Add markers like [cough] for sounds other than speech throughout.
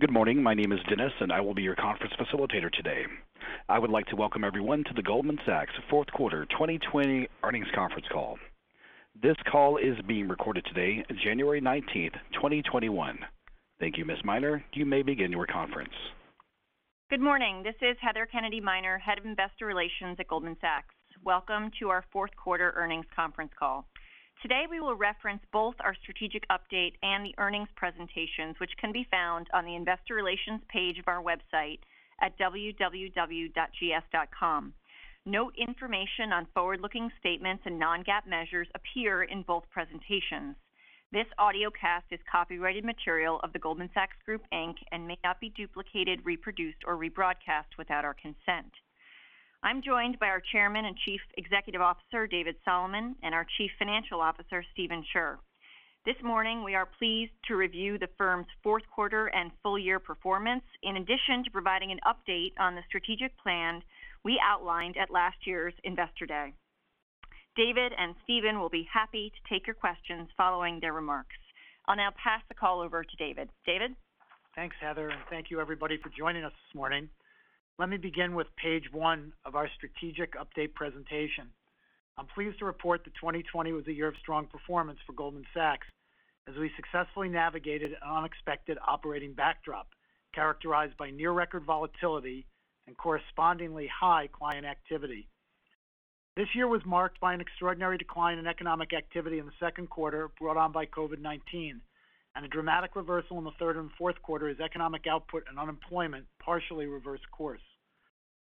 Good morning. My name is Denis, and I will be your conference facilitator today. I would like to welcome everyone to the Goldman Sachs fourth quarter 2020 earnings conference call. This call is being recorded today, January 19th, 2021. Thank you, Ms. Miner. You may begin your conference. Good morning. This is Heather Kennedy Miner, Head of Investor Relations at Goldman Sachs. Welcome to our fourth-quarter earnings conference call. Today, we will reference both our strategic update and the earnings presentations which can be found on the Investor Relations page of our website at www.gs.com. Note information on forward-looking statements and non-GAAP measures appear in both presentations. This audiocast is copyrighted material of The Goldman Sachs Group, Inc. and may not be duplicated, reproduced, or rebroadcast without our consent. I'm joined by our Chairman and Chief Executive Officer, David Solomon, and our Chief Financial Officer, Steven Scherr. This morning, we are pleased to review the firm's fourth quarter and full-year performance, in addition to providing an update on the strategic plan we outlined at last year's Investor Day. David and Steven will be happy to take your questions following their remarks. I'll now pass the call over to David. David? Thanks, Heather, and thank you everybody for joining us this morning. Let me begin with page one of our strategic update presentation. I'm pleased to report that 2020 was a year of strong performance for Goldman Sachs, as we successfully navigated an unexpected operating backdrop characterized by near-record volatility and correspondingly high client activity. This year was marked by an extraordinary decline in economic activity in the second quarter brought on by COVID-19 and a dramatic reversal in the third and fourth quarter as economic output and unemployment partially reversed course.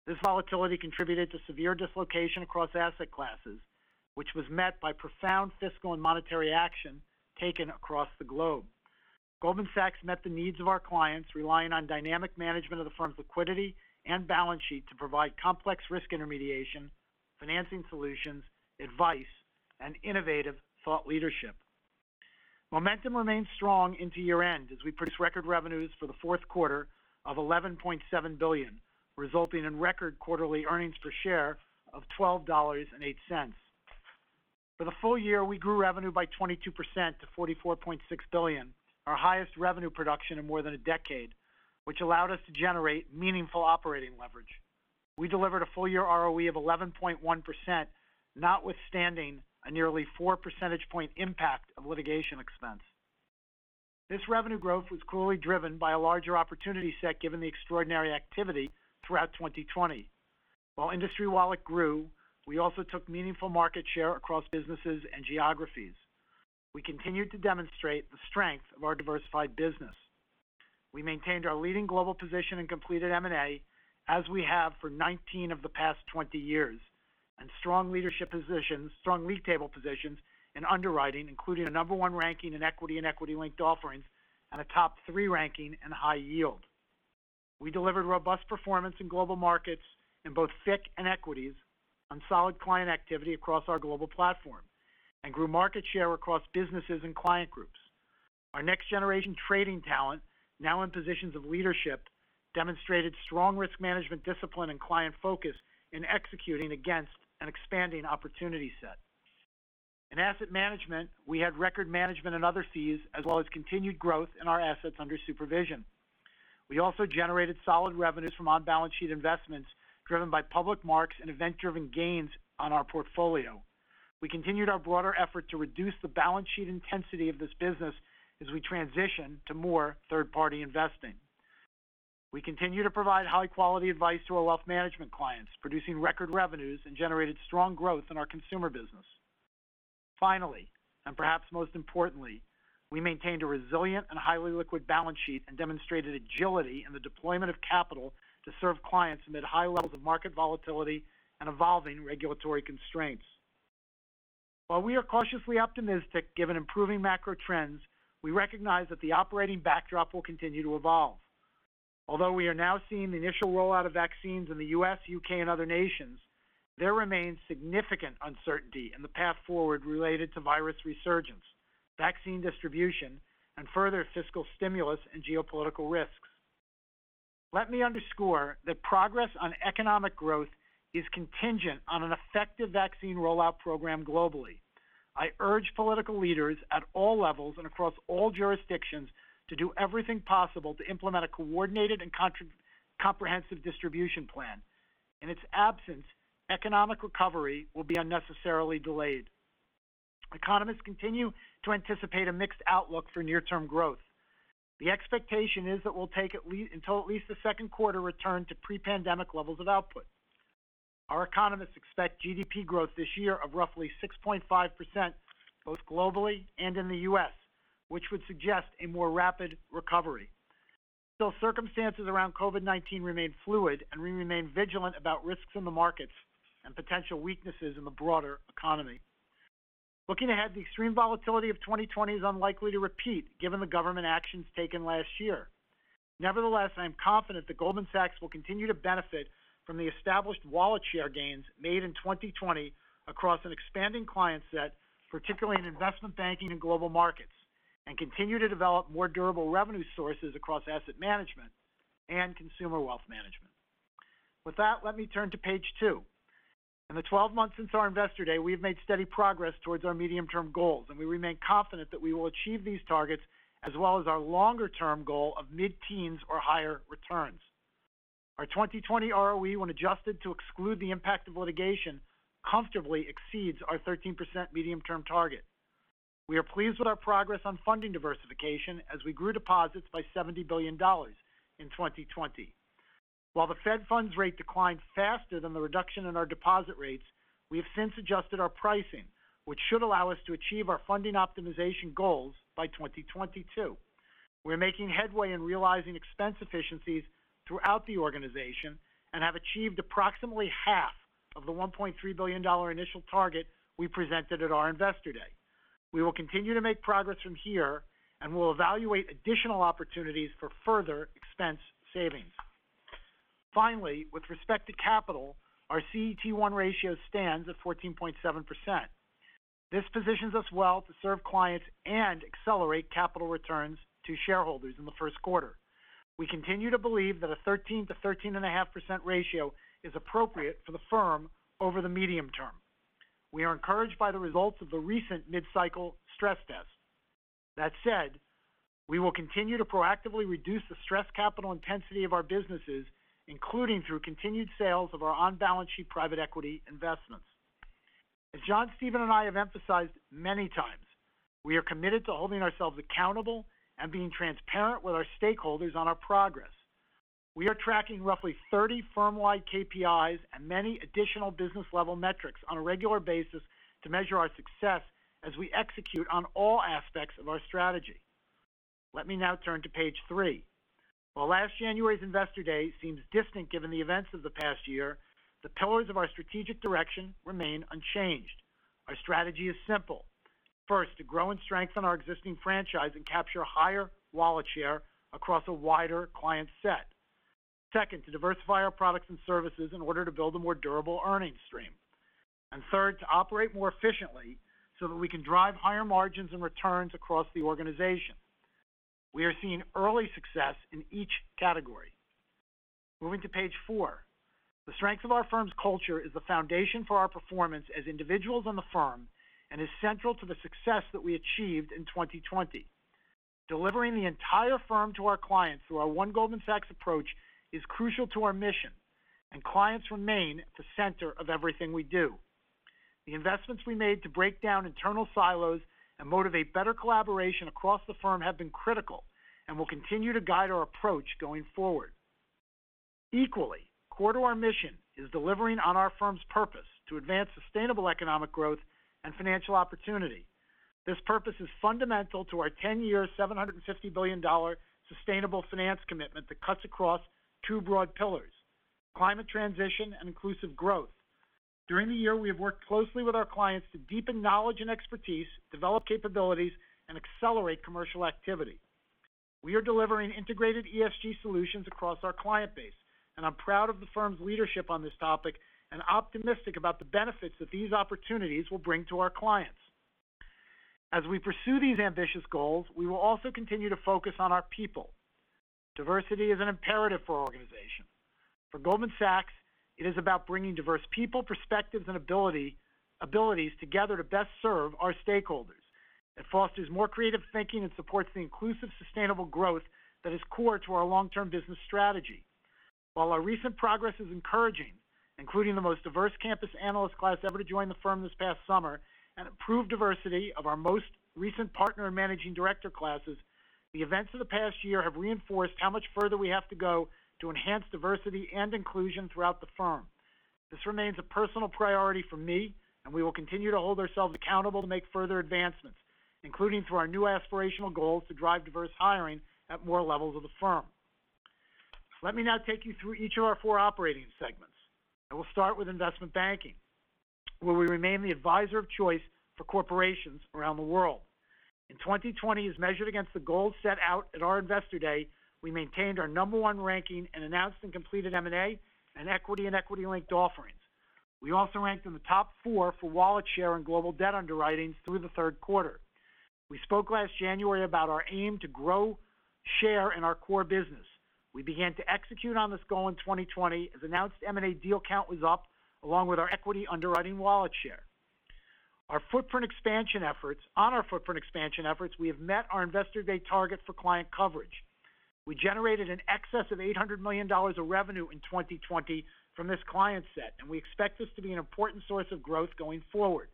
This volatility contributed to severe dislocation across asset classes, which was met by profound fiscal and monetary action taken across the globe. Goldman Sachs met the needs of our clients, relying on dynamic management of the firm's liquidity and balance sheet to provide complex risk intermediation, financing solutions, advice, and innovative thought leadership. Momentum remained strong into year-end as we produced record revenues for the fourth quarter of $11.7 billion, resulting in record quarterly earnings per share of $12.08. For the full year, we grew revenue by 22% to $44.6 billion, our highest revenue production in more than a decade, which allowed us to generate meaningful operating leverage. We delivered a full-year ROE of 11.1%, notwithstanding a nearly four percentage point impact of litigation expense. This revenue growth was clearly driven by a larger opportunity set given the extraordinary activity throughout 2020. While industry wallet grew, we also took meaningful market share across businesses and geographies. We continued to demonstrate the strength of our diversified business. We maintained our leading global position in completed M&A, as we have for 19 of the past 20 years, and strong lead table positions in underwriting, including a number one ranking in equity and equity-linked offerings and a top three ranking in high yield. We delivered robust performance in global markets in both FICC and equities on solid client activity across our global platform and grew market share across businesses and client groups. Our next-generation trading talent, now in positions of leadership, demonstrated strong risk management discipline and client focus in executing against an expanding opportunity set. In asset management, we had record management and other fees, as well as continued growth in our assets under supervision. We also generated solid revenues from on-balance sheet investments driven by public marks and event-driven gains on our portfolio. We continued our broader effort to reduce the balance sheet intensity of this business as we transition to more third-party investing. We continue to provide high-quality advice to our wealth management clients, producing record revenues and generated strong growth in our consumer business. Finally, and perhaps most importantly, we maintained a resilient and highly liquid balance sheet and demonstrated agility in the deployment of capital to serve clients amid high levels of market volatility and evolving regulatory constraints. While we are cautiously optimistic given improving macro trends, we recognize that the operating backdrop will continue to evolve. Although we are now seeing the initial rollout of vaccines in the U.S., U.K., and other nations, there remains significant uncertainty in the path forward related to virus resurgence, vaccine distribution, and further fiscal stimulus and geopolitical risks. Let me underscore that progress on economic growth is contingent on an effective vaccine rollout program globally. I urge political leaders at all levels and across all jurisdictions to do everything possible to implement a coordinated and comprehensive distribution plan. In its absence, economic recovery will be unnecessarily delayed. Economists continue to anticipate a mixed outlook for near-term growth. The expectation is that we'll take until at least the second quarter return to pre-pandemic levels of output. Our economists expect GDP growth this year of roughly 6.5%, both globally and in the U.S., which would suggest a more rapid recovery. Still, circumstances around COVID-19 remain fluid, and we remain vigilant about risks in the markets and potential weaknesses in the broader economy. Looking ahead, the extreme volatility of 2020 is unlikely to repeat, given the government actions taken last year. Nevertheless, I am confident that Goldman Sachs will continue to benefit from the established wallet share gains made in 2020 across an expanding client set, particularly in investment banking and global markets, and continue to develop more durable revenue sources across asset management and consumer wealth management. With that, let me turn to page two. In the 12 months since our Investor Day, we have made steady progress towards our medium-term goals, and we remain confident that we will achieve these targets as well as our longer-term goal of mid-teens or higher returns. Our 2020 ROE, when adjusted to exclude the impact of litigation, comfortably exceeds our 13% medium-term target. We are pleased with our progress on funding diversification as we grew deposits by $70 billion in 2020. While the Fed funds rate declined faster than the reduction in our deposit rates, we have since adjusted our pricing, which should allow us to achieve our funding optimization goals by 2022. We're making headway in realizing expense efficiencies throughout the organization and have achieved approximately half of the $1.3 billion initial target we presented at our Investor Day. We will continue to make progress from here, and we'll evaluate additional opportunities for further expense savings. Finally, with respect to capital, our CET1 ratio stands at 14.7%. This positions us well to serve clients and accelerate capital returns to shareholders in the first quarter. We continue to believe that a 13%-13.5% ratio is appropriate for the firm over the medium term. We are encouraged by the results of the recent mid-cycle stress test. That said, we will continue to proactively reduce the stress capital intensity of our businesses, including through continued sales of our on-balance sheet private equity investments. As John Steven and I have emphasized many times, we are committed to holding ourselves accountable and being transparent with our stakeholders on our progress. We are tracking roughly 30 firm-wide KPIs and many additional business-level metrics on a regular basis to measure our success as we execute on all aspects of our strategy. Let me now turn to page three. While last January's Investor Day seems distant given the events of the past year, the pillars of our strategic direction remain unchanged. Our strategy is simple. First, to grow and strengthen our existing franchise and capture higher wallet share across a wider client set. Second, to diversify our products and services in order to build a more durable earnings stream. Third, to operate more efficiently so that we can drive higher margins and returns across the organization. We are seeing early success in each category. Moving to page four. The strength of our firm's culture is the foundation for our performance as individuals in the firm and is central to the success that we achieved in 2020. Delivering the entire firm to our clients through our One Goldman Sachs approach is crucial to our mission, and clients remain at the center of everything we do. The investments we made to break down internal silos and motivate better collaboration across the firm have been critical and will continue to guide our approach going forward. Equally, core to our mission is delivering on our firm's purpose to advance sustainable economic growth and financial opportunity. This purpose is fundamental to our 10-year, $750 billion sustainable finance commitment that cuts across two broad pillars, climate transition and inclusive growth. During the year, we have worked closely with our clients to deepen knowledge and expertise, develop capabilities, and accelerate commercial activity. We are delivering integrated ESG solutions across our client base, and I'm proud of the firm's leadership on this topic and optimistic about the benefits that these opportunities will bring to our clients. As we pursue these ambitious goals, we will also continue to focus on our people. Diversity is an imperative for our organization. For Goldman Sachs, it is about bringing diverse people, perspectives, and abilities together to best serve our stakeholders. It fosters more creative thinking and supports the inclusive, sustainable growth that is core to our long-term business strategy. While our recent progress is encouraging, including the most diverse campus analyst class ever to join the firm this past summer and improved diversity of our most recent partner and managing director classes, the events of the past year have reinforced how much further we have to go to enhance diversity and inclusion throughout the firm. This remains a personal priority for me, and we will continue to hold ourselves accountable to make further advancements, including through our new aspirational goals to drive diverse hiring at more levels of the firm. Let me now take you through each of our four operating segments. I will start with investment banking, where we remain the advisor of choice for corporations around the world. In 2020, as measured against the goals set out at our Investor Day, we maintained our number one ranking and announced and completed M&A and equity and equity-linked offerings. We also ranked in the top four for wallet share and global debt underwriting through the third quarter. We spoke last January about our aim to grow share in our core business. We began to execute on this goal in 2020 as announced M&A deal count was up along with our equity underwriting wallet share. On our footprint expansion efforts, we have met our Investor Day target for client coverage. We generated in excess of $800 million of revenue in 2020 from this client set, and we expect this to be an important source of growth going forward.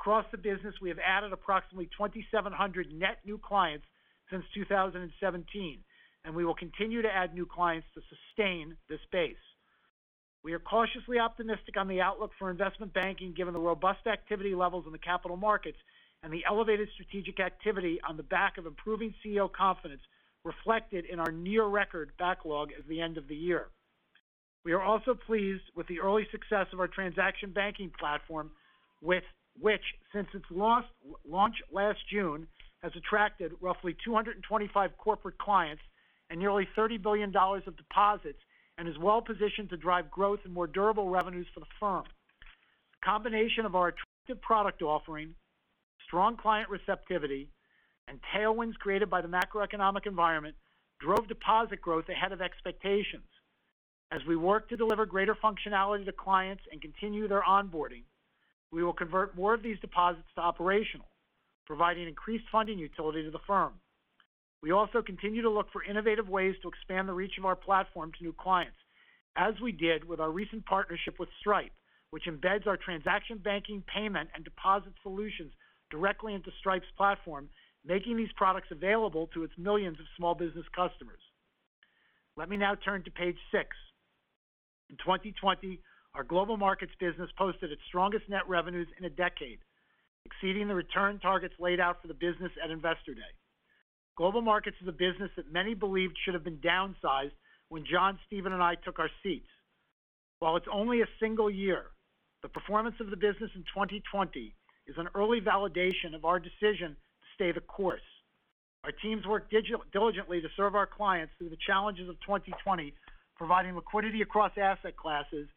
Across the business, we have added approximately 2,700 net new clients since 2017, and we will continue to add new clients to sustain this pace. We are cautiously optimistic on the outlook for investment banking given the robust activity levels in the capital markets and the elevated strategic activity on the back of improving CEO confidence reflected in our near-record backlog at the end of the year. We are also pleased with the early success of our transaction banking platform, which since its launch last June, has attracted roughly 225 corporate clients and nearly $30 billion of deposits and is well-positioned to drive growth and more durable revenues for the firm. The combination of our attractive product offering, strong client receptivity, and tailwinds created by the macroeconomic environment drove deposit growth ahead of expectations. As we work to deliver greater functionality to clients and continue their onboarding, we will convert more of these deposits to operational, providing increased funding utility to the firm. We also continue to look for innovative ways to expand the reach of our platform to new clients, as we did with our recent partnership with Stripe, which embeds our transaction banking payment and deposit solutions directly into Stripe's platform, making these products available to its millions of small business customers. Let me now turn to page six. In 2020, our Global Markets business posted its strongest net revenues in a decade, exceeding the return targets laid out for the business at Investor Day. Global Markets is a business that many believed should have been downsized when John Steven and I took our seats. While it's only a single year, the performance of the business in 2020 is an early validation of our decision to stay the course. Our teams worked diligently to serve our clients through the challenges of 2020, providing liquidity across asset classes,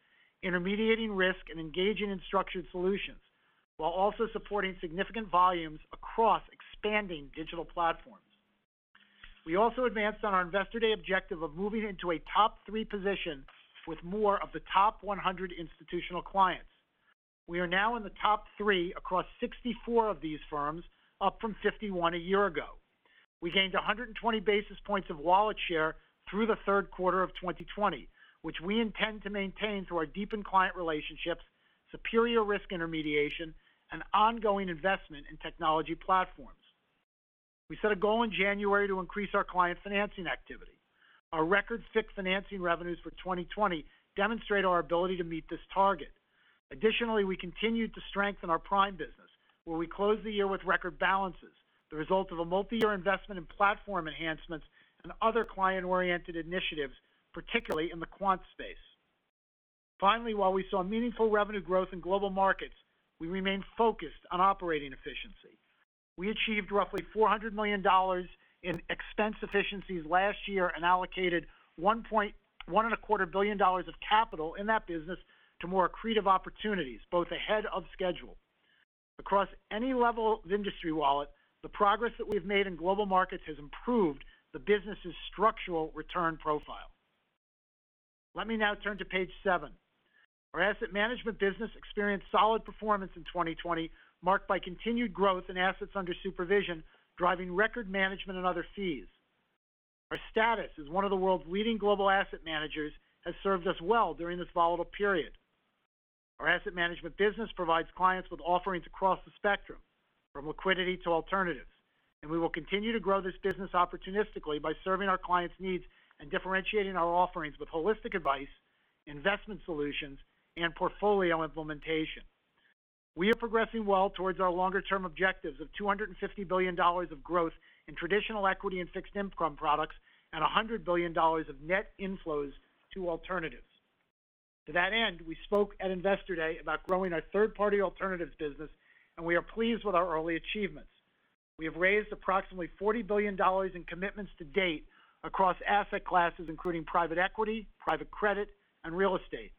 intermediating risk, and engaging in structured solutions, while also supporting significant volumes across expanding digital platforms. We also advanced on our Investor Day objective of moving into a top three position with more of the top 100 institutional clients. We are now in the top three across 64 of these firms, up from 51 a year ago. We gained 120 basis points of wallet share through the third quarter of 2020, which we intend to maintain through our deepened client relationships, superior risk intermediation, and ongoing investment in technology platforms. We set a goal in January to increase our client financing activity. Our record FICC financing revenues for 2020 demonstrate our ability to meet this target. We continued to strengthen our prime business, where we closed the year with record balances, the result of a multi-year investment in platform enhancements and other client-oriented initiatives, particularly in the quant space. While we saw meaningful revenue growth in Global Markets, we remained focused on operating efficiency. We achieved roughly $400 million in expense efficiencies last year and allocated $1.25 billion of capital in that business to more accretive opportunities, both ahead of schedule. Across any level of industry wallet, the progress that we've made in Global Markets has improved the business's structural return profile. Let me now turn to page seven. Our Asset Management business experienced solid performance in 2020, marked by continued growth in assets under supervision, driving record management and other fees. Our status as one of the world's leading global asset managers has served us well during this volatile period. Our Asset Management business provides clients with offerings across the spectrum, from liquidity to alternatives, and we will continue to grow this business opportunistically by serving our clients' needs and differentiating our offerings with holistic advice, investment solutions, and portfolio implementation. We are progressing well towards our longer-term objectives of $250 billion of growth in traditional equity and fixed income products and $100 billion of net inflows to alternatives. To that end, we spoke at Investor Day about growing our third-party alternatives business, and we are pleased with our early achievements. We have raised approximately $40 billion in commitments to date across asset classes, including private equity, private credit, and real estate.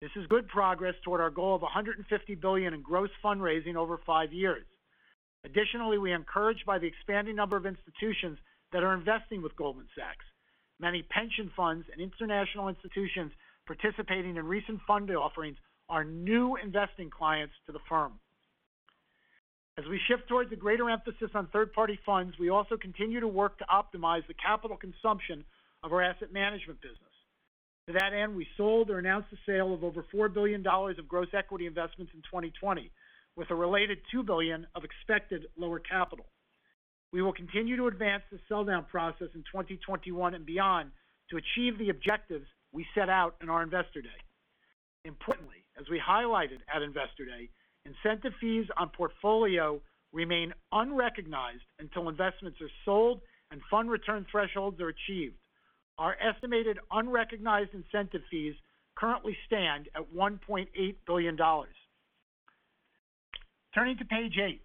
This is good progress toward our goal of $150 billion in gross fundraising over five years. Additionally, we are encouraged by the expanding number of institutions that are investing with Goldman Sachs. Many pension funds and international institutions participating in recent fund offerings are new investing clients to the firm. As we shift towards a greater emphasis on third-party funds, we also continue to work to optimize the capital consumption of our Asset Management business. To that end, we sold or announced the sale of over $4 billion of gross equity investments in 2020, with a related $2 billion of expected lower capital. We will continue to advance the sell-down process in 2021 and beyond to achieve the objectives we set out in our Investor Day. Importantly, as we highlighted at Investor Day, incentive fees on portfolio remain unrecognized until investments are sold and fund return thresholds are achieved. Our estimated unrecognized incentive fees currently stand at $1.8 billion. Turning to page eight.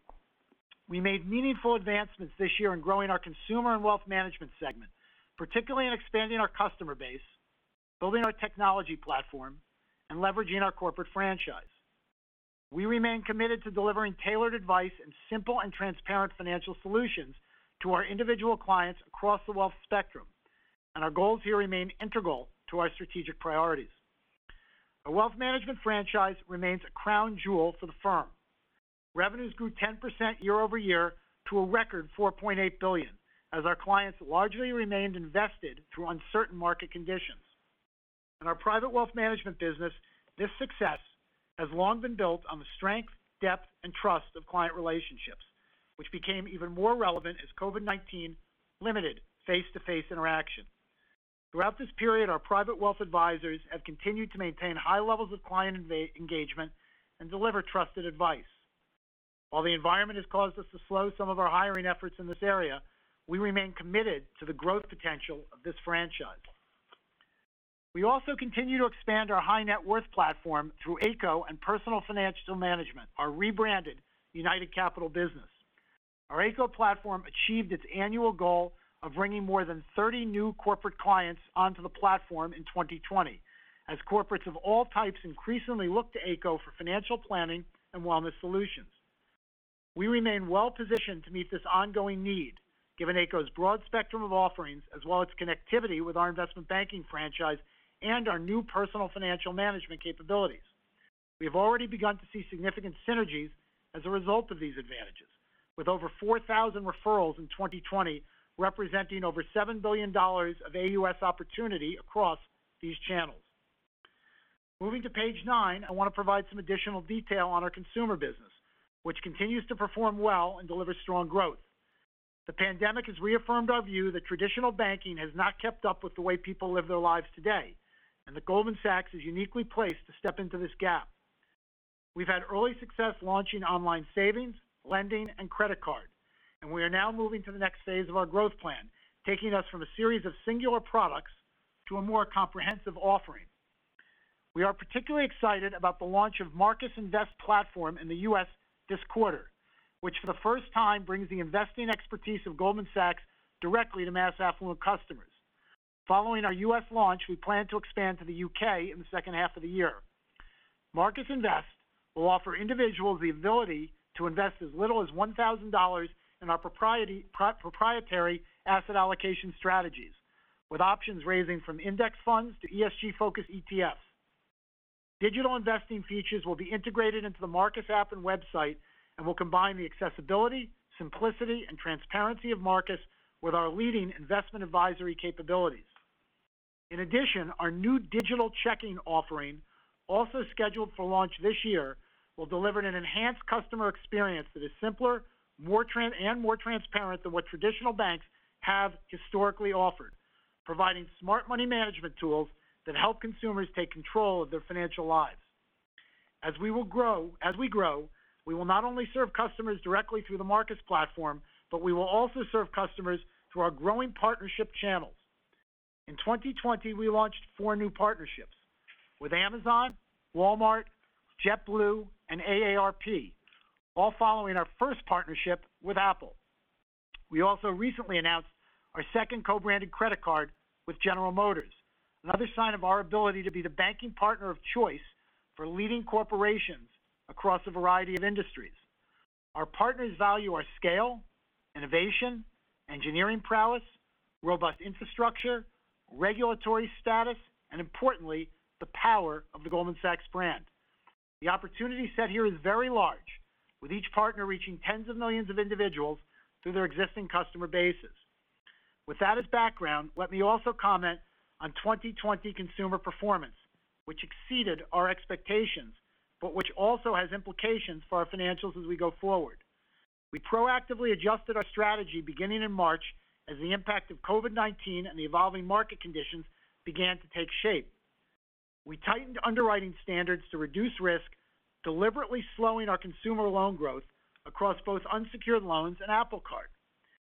We made meaningful advancements this year in growing our Consumer & Wealth Management segment, particularly in expanding our customer base, building our technology platform, and leveraging our corporate franchise. We remain committed to delivering tailored advice and simple and transparent financial solutions to our individual clients across the wealth spectrum, our goals here remain integral to our strategic priorities. Our Wealth Management franchise remains a crown jewel for the firm. Revenues grew 10% year-over-year to a record $4.8 billion, as our clients largely remained invested through uncertain market conditions. In our Private Wealth Management business, this success has long been built on the strength, depth, and trust of client relationships, which became even more relevant as COVID-19 limited face-to-face interaction. Throughout this period, our private wealth advisors have continued to maintain high levels of client engagement and deliver trusted advice. While the environment has caused us to slow some of our hiring efforts in this area, we remain committed to the growth potential of this franchise. We also continue to expand our high-net-worth platform through Ayco and Personal Financial Management, our rebranded United Capital business. Our Ayco platform achieved its annual goal of bringing more than 30 new corporate clients onto the platform in 2020, as corporates of all types increasingly look to Ayco for financial planning and wellness solutions. We remain well-positioned to meet this ongoing need, given Ayco's broad spectrum of offerings, as well as connectivity with our investment banking franchise and our new Personal Financial Management capabilities. We have already begun to see significant synergies as a result of these advantages, with over 4,000 referrals in 2020 representing over $7 billion of AUS opportunity across these channels. Moving to page nine, I want to provide some additional detail on our consumer business, which continues to perform well and deliver strong growth. The pandemic has reaffirmed our view that traditional banking has not kept up with the way people live their lives today, and that Goldman Sachs is uniquely placed to step into this gap. We've had early success launching online savings, lending, and credit card, and we are now moving to the next phase of our growth plan, taking us from a series of singular products to a more comprehensive offering. We are particularly excited about the launch of Marcus Invest platform in the U.S. this quarter, which for the first time brings the investing expertise of Goldman Sachs directly to mass affluent customers. Following our U.S. launch, we plan to expand to the U.K. in the second half of the year. Marcus Invest will offer individuals the ability to invest as little as $1,000 in our proprietary asset allocation strategies with options ranging from index funds to ESG-focused ETFs. Digital investing features will be integrated into the Marcus app and website and will combine the accessibility, simplicity, and transparency of Marcus with our leading investment advisory capabilities. In addition, our new digital checking offering, also scheduled for launch this year, will deliver an enhanced customer experience that is simpler and more transparent than what traditional banks have historically offered, providing smart money management tools that help consumers take control of their financial lives. As we grow, we will not only serve customers directly through the Marcus platform, but we will also serve customers through our growing partnership channels. In 2020, we launched four new partnerships with Amazon, Walmart, JetBlue, and AARP, all following our first partnership with Apple. We also recently announced our second co-branded credit card with General Motors, another sign of our ability to be the banking partner of choice for leading corporations across a variety of industries. Our partners value our scale, innovation, engineering prowess, robust infrastructure, regulatory status, and importantly, the power of the Goldman Sachs brand. The opportunity set here is very large, with each partner reaching tens of millions of individuals through their existing customer bases. With that as background, let me also comment on 2020 consumer performance, which exceeded our expectations, but which also has implications for our financials as we go forward. We proactively adjusted our strategy beginning in March as the impact of COVID-19 and the evolving market conditions began to take shape. We tightened underwriting standards to reduce risk, deliberately slowing our consumer loan growth across both unsecured loans and Apple Card.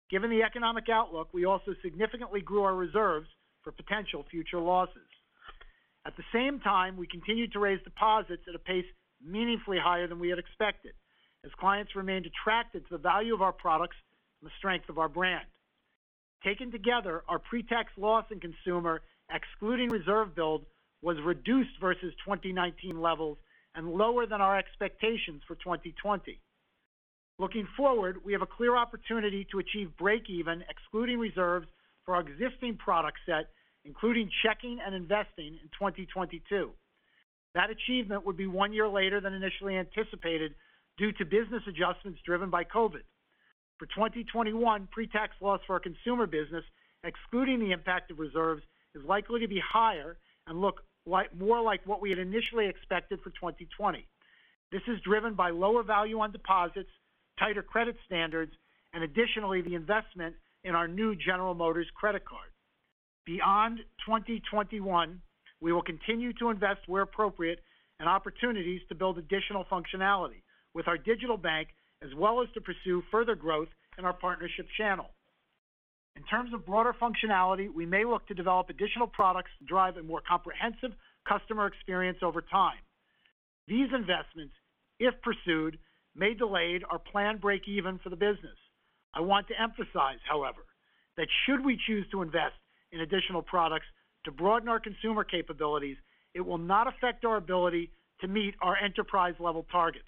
Given the economic outlook, we also significantly grew our reserves for potential future losses. At the same time, we continued to raise deposits at a pace meaningfully higher than we had expected, as clients remained attracted to the value of our products and the strength of our brand. Taken together, our pre-tax loss in consumer, excluding reserve build, was reduced versus 2019 levels and lower than our expectations for 2020. Looking forward, we have a clear opportunity to achieve breakeven excluding reserves for our existing product set, including checking and investing in 2022. That achievement would be one year later than initially anticipated due to business adjustments driven by COVID. For 2021, pre-tax loss for our consumer business, excluding the impact of reserves, is likely to be higher and look more like what we had initially expected for 2020. This is driven by lower value on deposits, tighter credit standards, and additionally, the investment in our new General Motors credit card. Beyond 2021, we will continue to invest where appropriate and opportunities to build additional functionality with our digital bank, as well as to pursue further growth in our partnership channel. In terms of broader functionality, we may look to develop additional products to drive a more comprehensive customer experience over time. These investments, if pursued, may delay our planned breakeven for the business. I want to emphasize, however, that should we choose to invest in additional products to broaden our consumer capabilities, it will not affect our ability to meet our enterprise-level targets.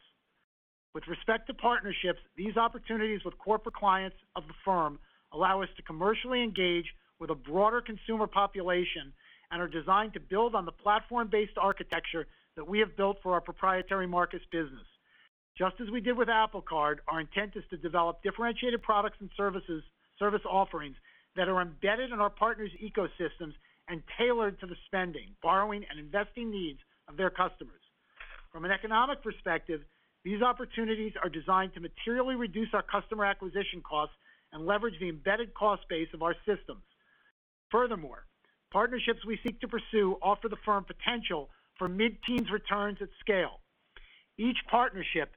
With respect to partnerships, these opportunities with corporate clients of the firm allow us to commercially engage with a broader consumer population and are designed to build on the platform-based architecture that we have built for our proprietary markets business. Just as we did with Apple Card, our intent is to develop differentiated products and service offerings that are embedded in our partners' ecosystems and tailored to the spending, borrowing, and investing needs of their customers. From an economic perspective, these opportunities are designed to materially reduce our customer acquisition costs and leverage the embedded cost base of our systems. Furthermore, partnerships we seek to pursue offer the firm potential for mid-teens returns at scale. Each partnership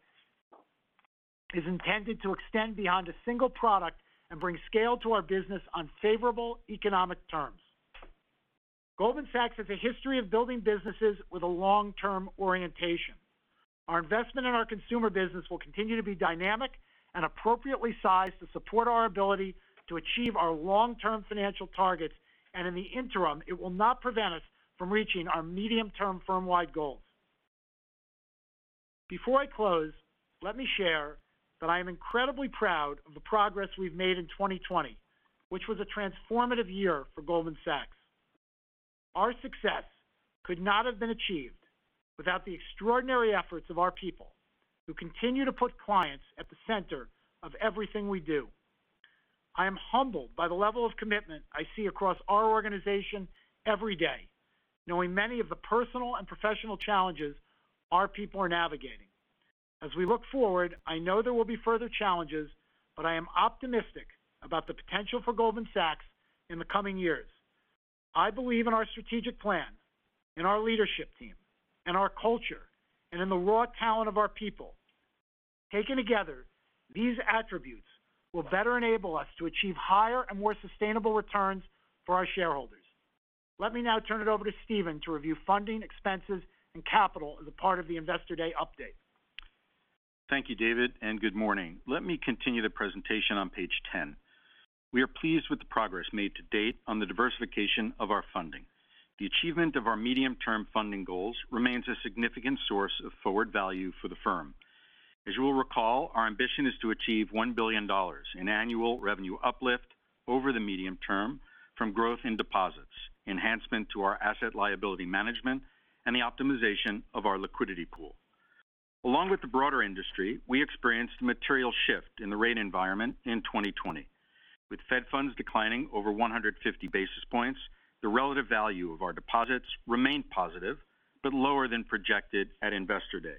is intended to extend beyond a single product and bring scale to our business on favorable economic terms. Goldman Sachs has a history of building businesses with a long-term orientation. Our investment in our consumer business will continue to be dynamic and appropriately sized to support our ability to achieve our long-term financial targets, and in the interim, it will not prevent us from reaching our medium-term firm-wide goals. Before I close, let me share that I am incredibly proud of the progress we've made in 2020, which was a transformative year for Goldman Sachs. Our success could not have been achieved without the extraordinary efforts of our people, who continue to put clients at the center of everything we do. I am humbled by the level of commitment I see across our organization every day, knowing many of the personal and professional challenges our people are navigating. As we look forward, I know there will be further challenges, but I am optimistic about the potential for Goldman Sachs in the coming years. I believe in our strategic plan, in our leadership team, in our culture, and in the raw talent of our people. Taken together, these attributes will better enable us to achieve higher and more sustainable returns for our shareholders. Let me now turn it over to Steven to review funding expenses and capital as a part of the Investor Day update. Thank you, David, and good morning. Let me continue the presentation on page 10. We are pleased with the progress made to date on the diversification of our funding. The achievement of our medium-term funding goals remains a significant source of forward value for the firm. As you will recall, our ambition is to achieve $1 billion in annual revenue uplift over the medium term from growth in deposits, enhancement to our asset liability management, and the optimization of our liquidity pool. Along with the broader industry, we experienced a material shift in the rate environment in 2020. With Fed funds declining over 150 basis points, the relative value of our deposits remained positive, but lower than projected at Investor Day.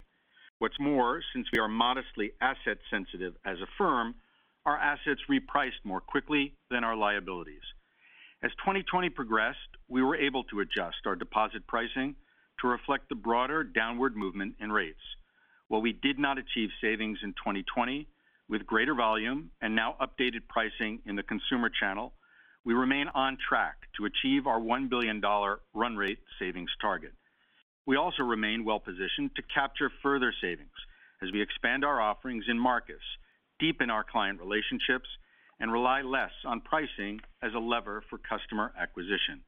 What's more, since we are modestly asset sensitive as a firm, our assets repriced more quickly than our liabilities. As 2020 progressed, we were able to adjust our deposit pricing to reflect the broader downward movement in rates. While we did not achieve savings in 2020, with greater volume and now updated pricing in the consumer channel, we remain on track to achieve our $1 billion run rate savings target. We also remain well-positioned to capture further savings as we expand our offerings in Marcus, deepen our client relationships, and rely less on pricing as a lever for customer acquisition.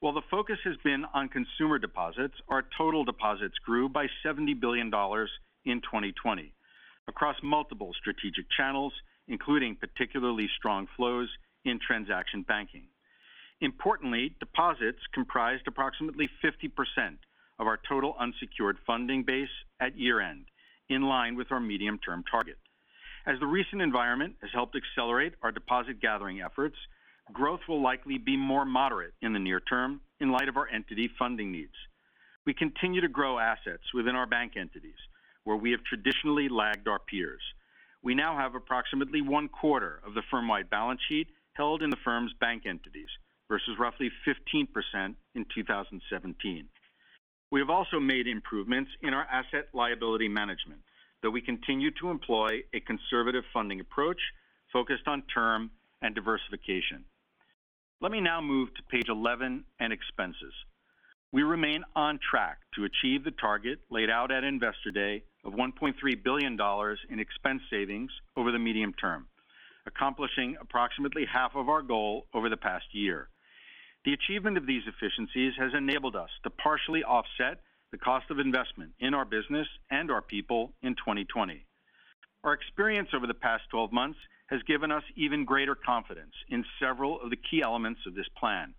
While the focus has been on consumer deposits, our total deposits grew by $70 billion in 2020 across multiple strategic channels, including particularly strong flows in transaction banking. Importantly, deposits comprised approximately 50% of our total unsecured funding base at year-end, in line with our medium-term target. As the recent environment has helped accelerate our deposit gathering efforts, growth will likely be more moderate in the near term in light of our entity funding needs. We continue to grow assets within our bank entities, where we have traditionally lagged our peers. We now have approximately one-quarter of the firm-wide balance sheet held in the firm's bank entities versus roughly 15% in 2017. We have also made improvements in our asset liability management, though we continue to employ a conservative funding approach focused on term and diversification. Let me now move to page 11 and expenses. We remain on track to achieve the target laid out at Investor Day of $1.3 billion in expense savings over the medium term, accomplishing approximately half of our goal over the past year. The achievement of these efficiencies has enabled us to partially offset the cost of investment in our business and our people in 2020. Our experience over the past 12 months has given us even greater confidence in several of the key elements of this plan.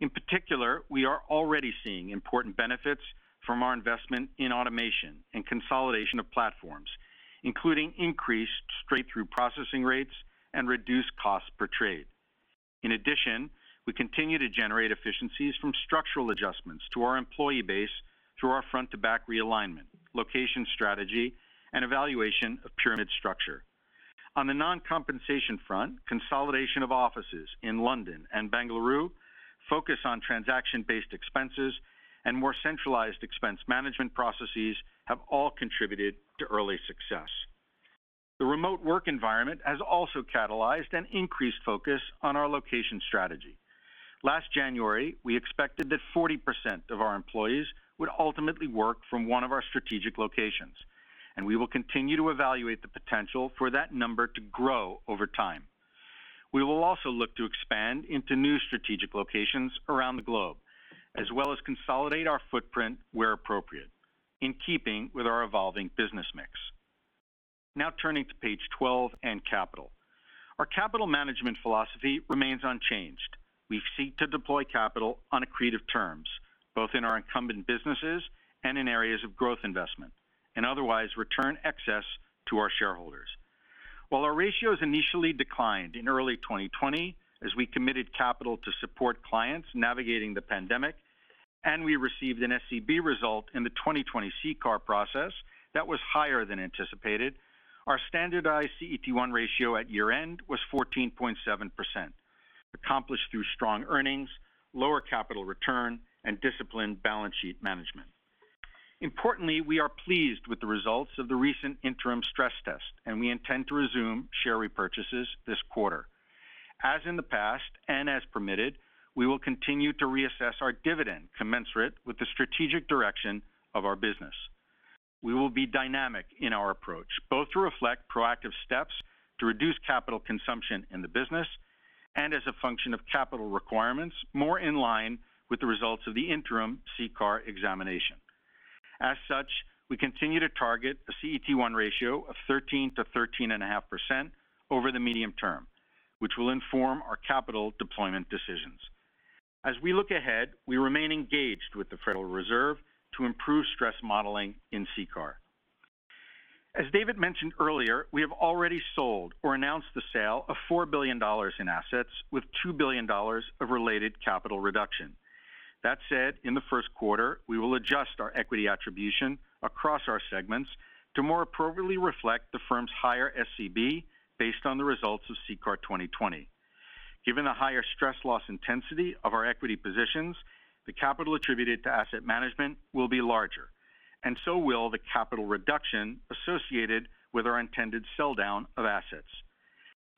In particular, we are already seeing important benefits from our investment in automation and consolidation of platforms, including increased straight-through processing rates and reduced cost per trade. In addition, we continue to generate efficiencies from structural adjustments to our employee base through our front-to-back realignment, location strategy, and evaluation of pyramid structure. On the non-compensation front, consolidation of offices in London and Bengaluru, focus on transaction-based expenses, and more centralized expense management processes have all contributed to early success. The remote work environment has also catalyzed an increased focus on our location strategy. Last January, we expected that 40% of our employees would ultimately work from one of our strategic locations. We will continue to evaluate the potential for that number to grow over time. We will also look to expand into new strategic locations around the globe, as well as consolidate our footprint where appropriate, in keeping with our evolving business mix. Turning to page 12 and capital. Our capital management philosophy remains unchanged. We seek to deploy capital on accretive terms, both in our incumbent businesses and in areas of growth investment, and otherwise return excess to our shareholders. While our ratios initially declined in early 2020 as we committed capital to support clients navigating the pandemic, and we received an SCB result in the 2020 CCAR process that was higher than anticipated, our standardized CET1 ratio at year-end was 14.7%, accomplished through strong earnings, lower capital return, and disciplined balance sheet management. Importantly, we are pleased with the results of the recent interim stress test, and we intend to resume share repurchases this quarter. As in the past, and as permitted, we will continue to reassess our dividend commensurate with the strategic direction of our business. We will be dynamic in our approach, both to reflect proactive steps to reduce capital consumption in the business and as a function of capital requirements more in line with the results of the interim CCAR examination. As such, we continue to target a CET1 ratio of 13%-13.5% over the medium term, which will inform our capital deployment decisions. As we look ahead, we remain engaged with the Federal Reserve to improve stress modeling in CCAR. As David mentioned earlier, we have already sold or announced the sale of $4 billion in assets with $2 billion of related capital reduction. That said, in the first quarter, we will adjust our equity attribution across our segments to more appropriately reflect the firm's higher SCB based on the results of CCAR 2020. Given the higher stress loss intensity of our equity positions, the capital attributed to asset management will be larger, and so will the capital reduction associated with our intended sell-down of assets.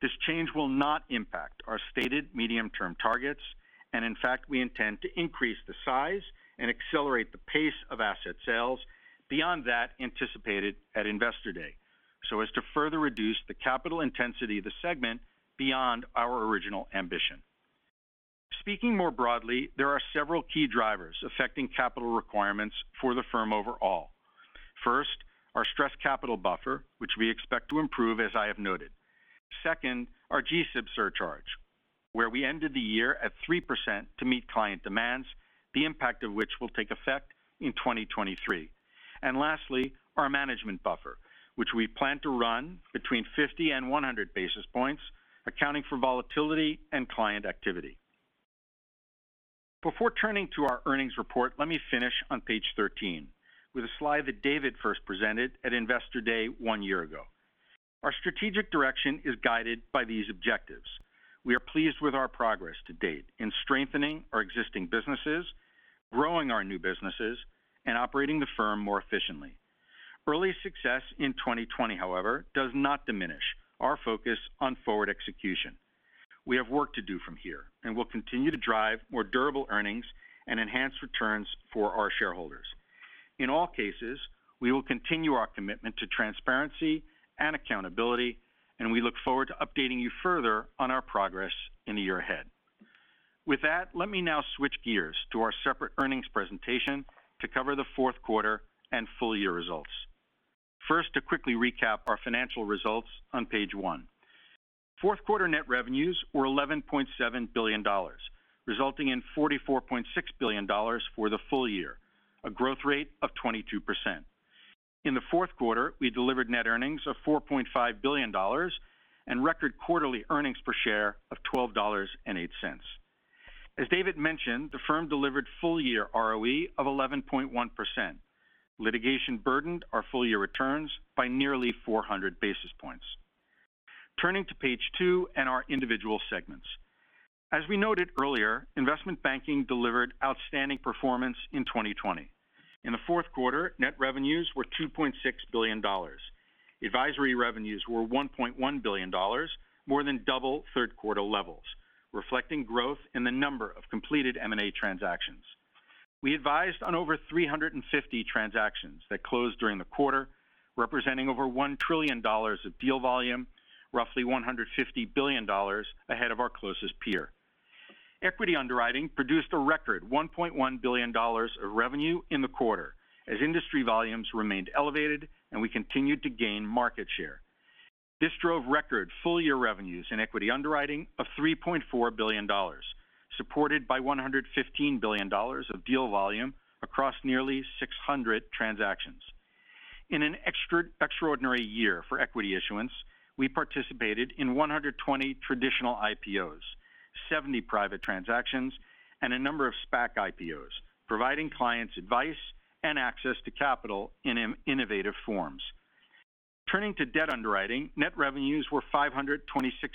This change will not impact our stated medium-term targets, and in fact, we intend to increase the size and accelerate the pace of asset sales beyond that anticipated at Investor Day so as to further reduce the capital intensity of the segment beyond our original ambition. Speaking more broadly, there are several key drivers affecting capital requirements for the firm overall. First, our stress capital buffer, which we expect to improve as I have noted. Second, our G-SIB surcharge, where we ended the year at 3% to meet client demands, the impact of which will take effect in 2023. Lastly, our management buffer, which we plan to run between 50 basis points and 100 basis points, accounting for volatility and client activity. Before turning to our earnings report, let me finish on page 13 with a slide that David first presented at Investor Day one year ago. Our strategic direction is guided by these objectives. We are pleased with our progress to date in strengthening our existing businesses, growing our new businesses, and operating the firm more efficiently. Early success in 2020, however, does not diminish our focus on forward execution. We have work to do from here and will continue to drive more durable earnings and enhance returns for our shareholders. In all cases, we will continue our commitment to transparency and accountability, and we look forward to updating you further on our progress in the year ahead. With that, let me now switch gears to our separate earnings presentation to cover the fourth quarter and full-year results. First, to quickly recap our financial results on page one. Fourth quarter net revenues were $11.7 billion, resulting in $44.6 billion for the full year, a growth rate of 22%. In the fourth quarter, we delivered net earnings of $4.5 billion and record quarterly earnings per share of $12.08. As David mentioned, the firm delivered full-year ROE of 11.1%. Litigation burdened our full-year returns by nearly 400 basis points. Turning to page two and our individual segments. As we noted earlier, investment banking delivered outstanding performance in 2020. In the fourth quarter, net revenues were $2.6 billion. Advisory revenues were $1.1 billion, more than double third-quarter levels, reflecting growth in the number of completed M&A transactions. We advised on over 350 transactions that closed during the quarter, representing over $1 trillion of deal volume, roughly $150 billion ahead of our closest peer. Equity underwriting produced a record $1.1 billion of revenue in the quarter as industry volumes remained elevated and we continued to gain market share. This drove record full-year revenues in equity underwriting of $3.4 billion, supported by $115 billion of deal volume across nearly 600 transactions. In an extraordinary year for equity issuance, we participated in 120 traditional IPOs, 70 private transactions, and a number of SPAC IPOs, providing clients advice and access to capital in innovative forms. Turning to debt underwriting, net revenues were $526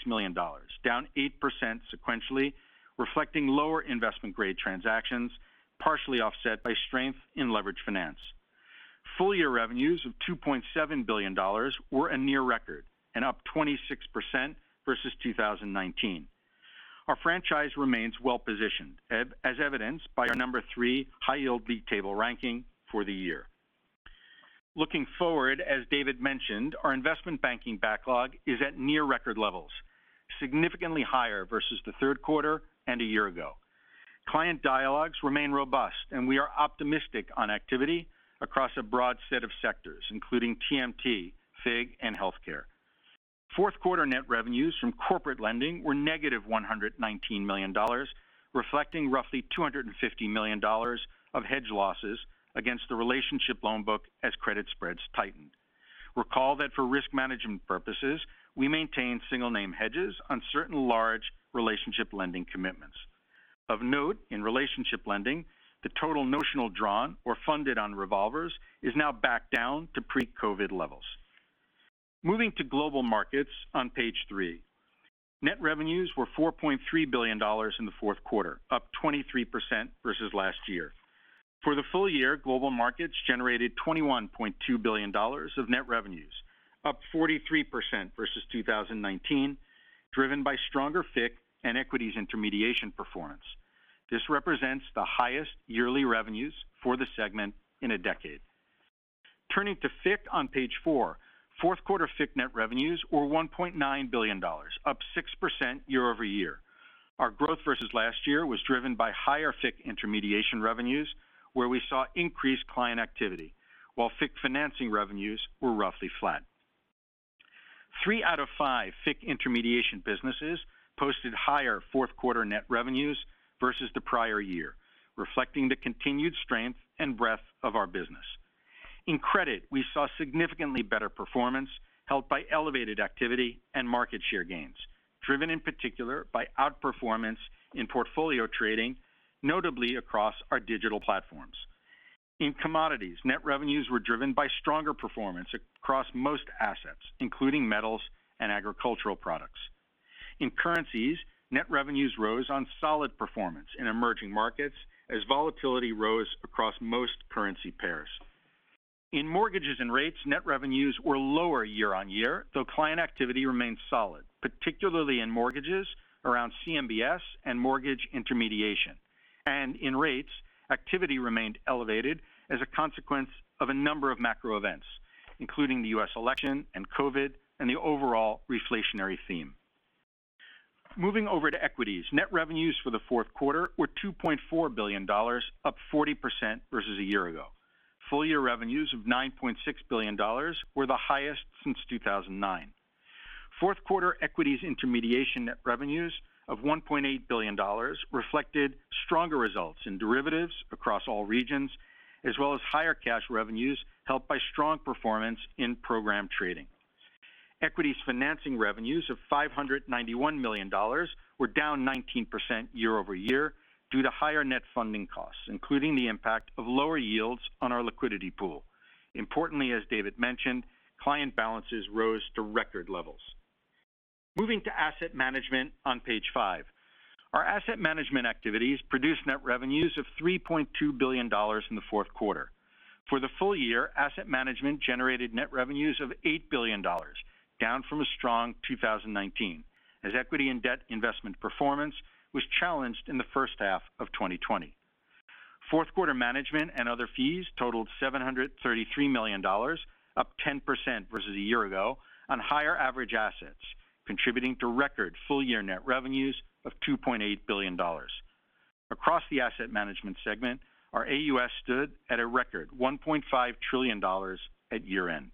million, down 8% sequentially, reflecting lower investment-grade transactions, partially offset by strength in leverage finance. Full-year revenues of $2.7 billion were a near record and up 26% versus 2019. Our franchise remains well-positioned, as evidenced by our number three high-yield league table ranking for the year. Looking forward, as David mentioned, our investment banking backlog is at near record levels, significantly higher versus the third quarter and a year ago. Client dialogues remain robust. We are optimistic on activity across a broad set of sectors, including TMT, FIG, and healthcare. Fourth quarter net revenues from corporate lending were -$119 million, reflecting roughly $250 million of hedge losses against the relationship loan book as credit spreads tightened. Recall that for risk management purposes, we maintain single-name hedges on certain large relationship lending commitments. Of note, in relationship lending, the total notional drawn or funded on revolvers is now back down to pre-COVID levels. Moving to Global Markets on page three. Net revenues were $4.3 billion in the fourth quarter, up 23% versus last year. For the full year, Global Markets generated $21.2 billion of net revenues, up 43% versus 2019, driven by stronger FICC and equities intermediation performance. This represents the highest yearly revenues for the segment in a decade. Turning to FICC on page four. Fourth quarter FICC net revenues were $1.9 billion, up 6% year-over-year. Our growth versus last year was driven by higher FICC intermediation revenues, where we saw increased client activity, while FICC financing revenues were roughly flat. Three out of five FICC intermediation businesses posted higher fourth-quarter net revenues versus the prior year, reflecting the continued strength and breadth of our business. In credit, we saw significantly better performance helped by elevated activity and market share gains, driven in particular by outperformance in portfolio trading, notably across our digital platforms. In commodities, net revenues were driven by stronger performance across most assets, including metals and agricultural products. In currencies, net revenues rose on solid performance in emerging markets as volatility rose across most currency pairs. In mortgages and rates, net revenues were lower year-on-year, though client activity remained solid, particularly in mortgages around CMBS and mortgage intermediation. In rates, activity remained elevated as a consequence of a number of macro events, including the U.S. election and COVID, and the overall reflationary theme. Moving over to equities. Net revenues for the fourth quarter were $2.4 billion, up 40% versus a year ago. Full-year revenues of $9.6 billion were the highest since 2009. Fourth quarter equities intermediation net revenues of $1.8 billion reflected stronger results in derivatives across all regions, as well as higher cash revenues helped by strong performance in program trading. Equities financing revenues of $591 million were down 19% year-over-year due to higher net funding costs, including the impact of lower yields on our liquidity pool. Importantly, as David mentioned, client balances rose to record levels. Moving to Asset Management on page five. Our Asset Management activities produced net revenues of $3.2 billion in the fourth quarter. For the full year, Asset Management generated net revenues of $8 billion, down from a strong 2019, as equity and debt investment performance was challenged in the first half of 2020. Fourth quarter management and other fees totaled $733 million, up 10% versus a year ago on higher average assets, contributing to record full-year net revenues of $2.8 billion. Across the Asset Management segment, our AUS stood at a record $1.5 trillion at year-end.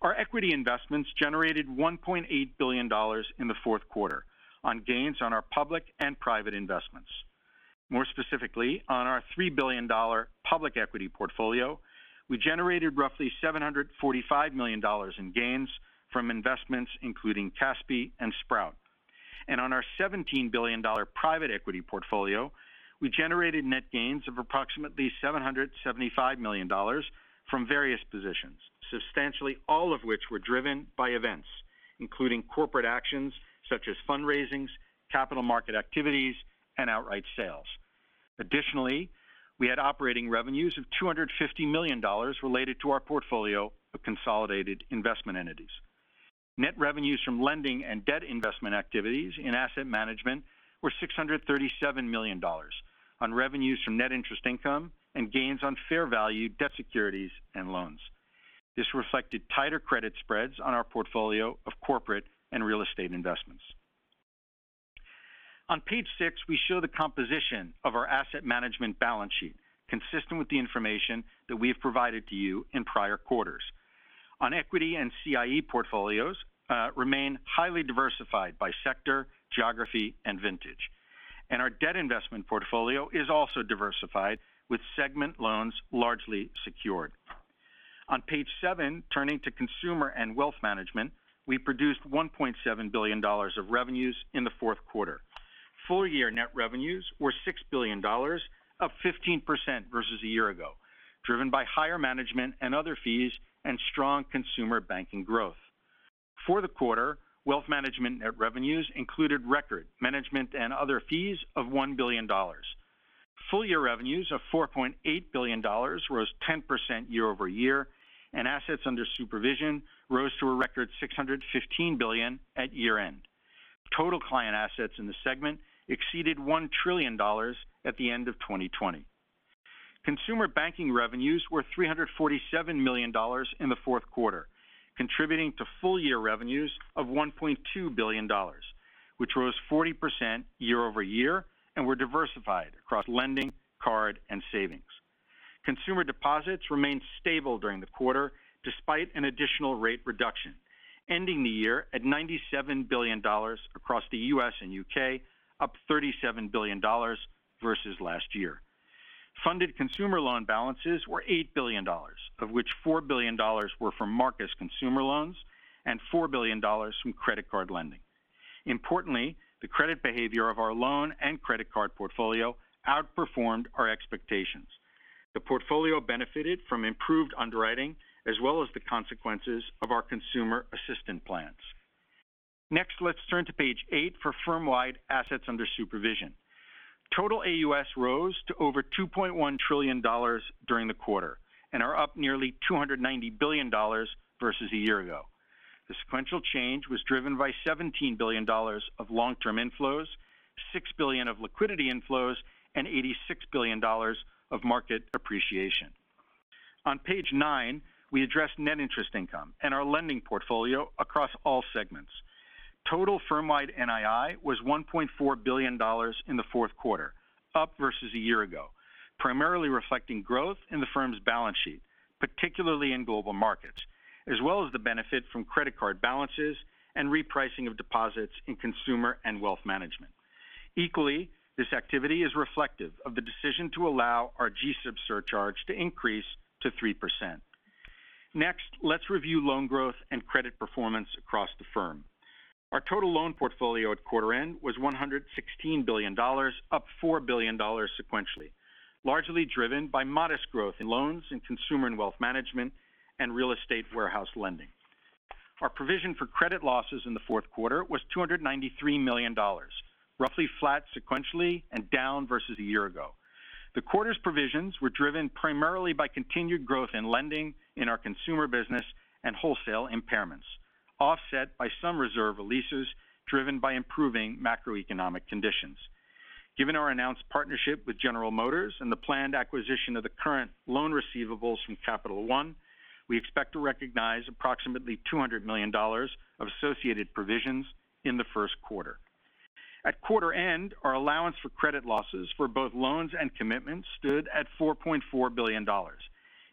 Our equity investments generated $1.8 billion in the fourth quarter on gains on our public and private investments. More specifically, on our $3 billion public equity portfolio, we generated roughly $745 million in gains from investments including Kaspi and Sprout. On our $17 billion private equity portfolio, we generated net gains of approximately $775 million from various positions, substantially all of which were driven by events, including corporate actions such as fundraisings, capital market activities, and outright sales. Additionally, we had operating revenues of $250 million related to our portfolio of consolidated investment entities. Net revenues from lending and debt investment activities in Asset Management were $637 million, on revenues from net interest income and gains on fair value debt securities and loans. This reflected tighter credit spreads on our portfolio of corporate and real estate investments. On page six, we show the composition of our Asset Management balance sheet, consistent with the information that we have provided to you in prior quarters. On equity and CIE portfolios, remain highly diversified by sector, geography, and vintage. Our debt investment portfolio is also diversified, with segment loans largely secured. On page seven, turning to Consumer and Wealth Management, we produced $1.7 billion of revenues in the fourth quarter. Full-year net revenues were $6 billion, up 15% versus a year ago, driven by higher management and other fees, and strong consumer banking growth. For the quarter, Wealth Management net revenues included record management and other fees of $1 billion. Full-year revenues of $4.8 billion rose 10% year-over-year, and assets under supervision rose to a record $615 billion at year-end. Total client assets in the segment exceeded $1 trillion at the end of 2020. Consumer banking revenues were $347 million in the fourth quarter, contributing to full-year revenues of $1.2 billion, which rose 40% year-over-year and were diversified across lending, card, and savings. Consumer deposits remained stable during the quarter despite an additional rate reduction, ending the year at $97 billion across the U.S. and U.K., up $37 billion versus last year. Funded consumer loan balances were $8 billion, of which $4 billion were from Marcus consumer loans and $4 billion from credit card lending. Importantly, the credit behavior of our loan and credit card portfolio outperformed our expectations. The portfolio benefited from improved underwriting as well as the consequences of our consumer assistance plans. Next, let's turn to page eight for firm-wide assets under supervision. Total AUS rose to over $2.1 trillion during the quarter and are up nearly $290 billion versus a year ago. The sequential change was driven by $17 billion of long-term inflows, $6 billion of liquidity inflows, and $86 billion of market appreciation. On page nine, we address net interest income and our lending portfolio across all segments. Total firm-wide NII was $1.4 billion in the fourth quarter, up versus a year ago, primarily reflecting growth in the firm's balance sheet, particularly in global markets, as well as the benefit from credit card balances and repricing of deposits in consumer and wealth management. Equally, this activity is reflective of the decision to allow our G-SIB surcharge to increase to 3%. Let's review loan growth and credit performance across the firm. Our total loan portfolio at quarter end was $116 billion, up $4 billion sequentially, largely driven by modest growth in loans in consumer and wealth management and real estate warehouse lending. Our provision for credit losses in the fourth quarter was $293 million, roughly flat sequentially and down versus a year ago. The quarter's provisions were driven primarily by continued growth in lending in our consumer business and wholesale impairments, offset by some reserve releases driven by improving macroeconomic conditions. Given our announced partnership with General Motors and the planned acquisition of the current loan receivables from Capital One, we expect to recognize approximately $200 million of associated provisions in the first quarter. At quarter end, our allowance for credit losses for both loans and commitments stood at $4.4 billion,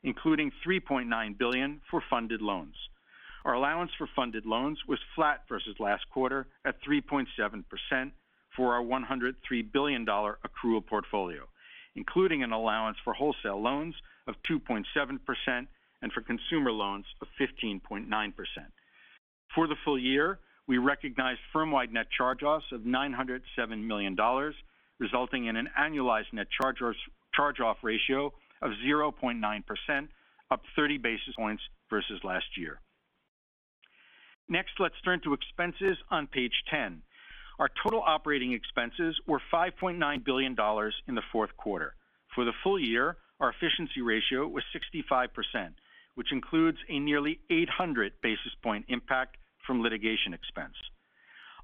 including $3.9 billion for funded loans. Our allowance for funded loans was flat versus last quarter at 3.7% for our $103 billion accrual portfolio, including an allowance for wholesale loans of 2.7% and for consumer loans of 15.9%. For the full year, we recognized firm-wide net charge-offs of $907 million, resulting in an annualized net charge-off ratio of 0.9%, up 30 basis points versus last year. Next, let's turn to expenses on page 10. Our total operating expenses were $5.9 billion in the fourth quarter. For the full year, our efficiency ratio was 65%, which includes a nearly 800 basis point impact from litigation expense.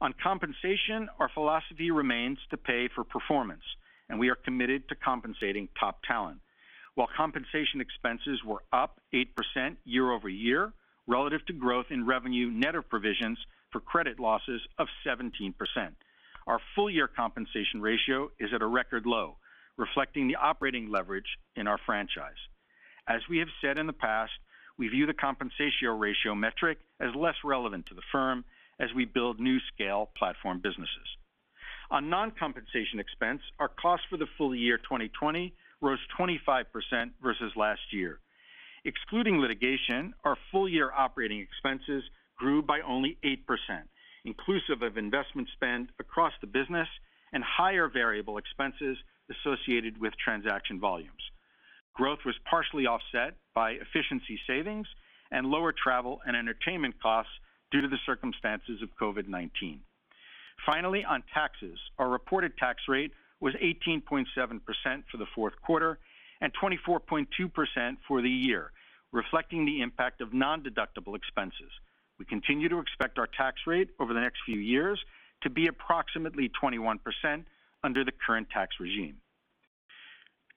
On compensation, our philosophy remains to pay for performance, and we are committed to compensating top talent. While compensation expenses were up 8% year-over-year relative to growth in revenue net of provisions for credit losses of 17%, our full-year compensation ratio is at a record low, reflecting the operating leverage in our franchise. As we have said in the past, we view the compensation ratio metric as less relevant to the firm as we build new scale platform businesses. On non-compensation expense, our cost for the full year 2020 rose 25% versus last year. Excluding litigation, our full-year operating expenses grew by only 8%, inclusive of investment spend across the business and higher variable expenses associated with transaction volumes. Growth was partially offset by efficiency savings and lower travel and entertainment costs due to the circumstances of COVID-19. Finally, on taxes, our reported tax rate was 18.7% for the fourth quarter and 24.2% for the year, reflecting the impact of non-deductible expenses. We continue to expect our tax rate over the next few years to be approximately 21% under the current tax regime.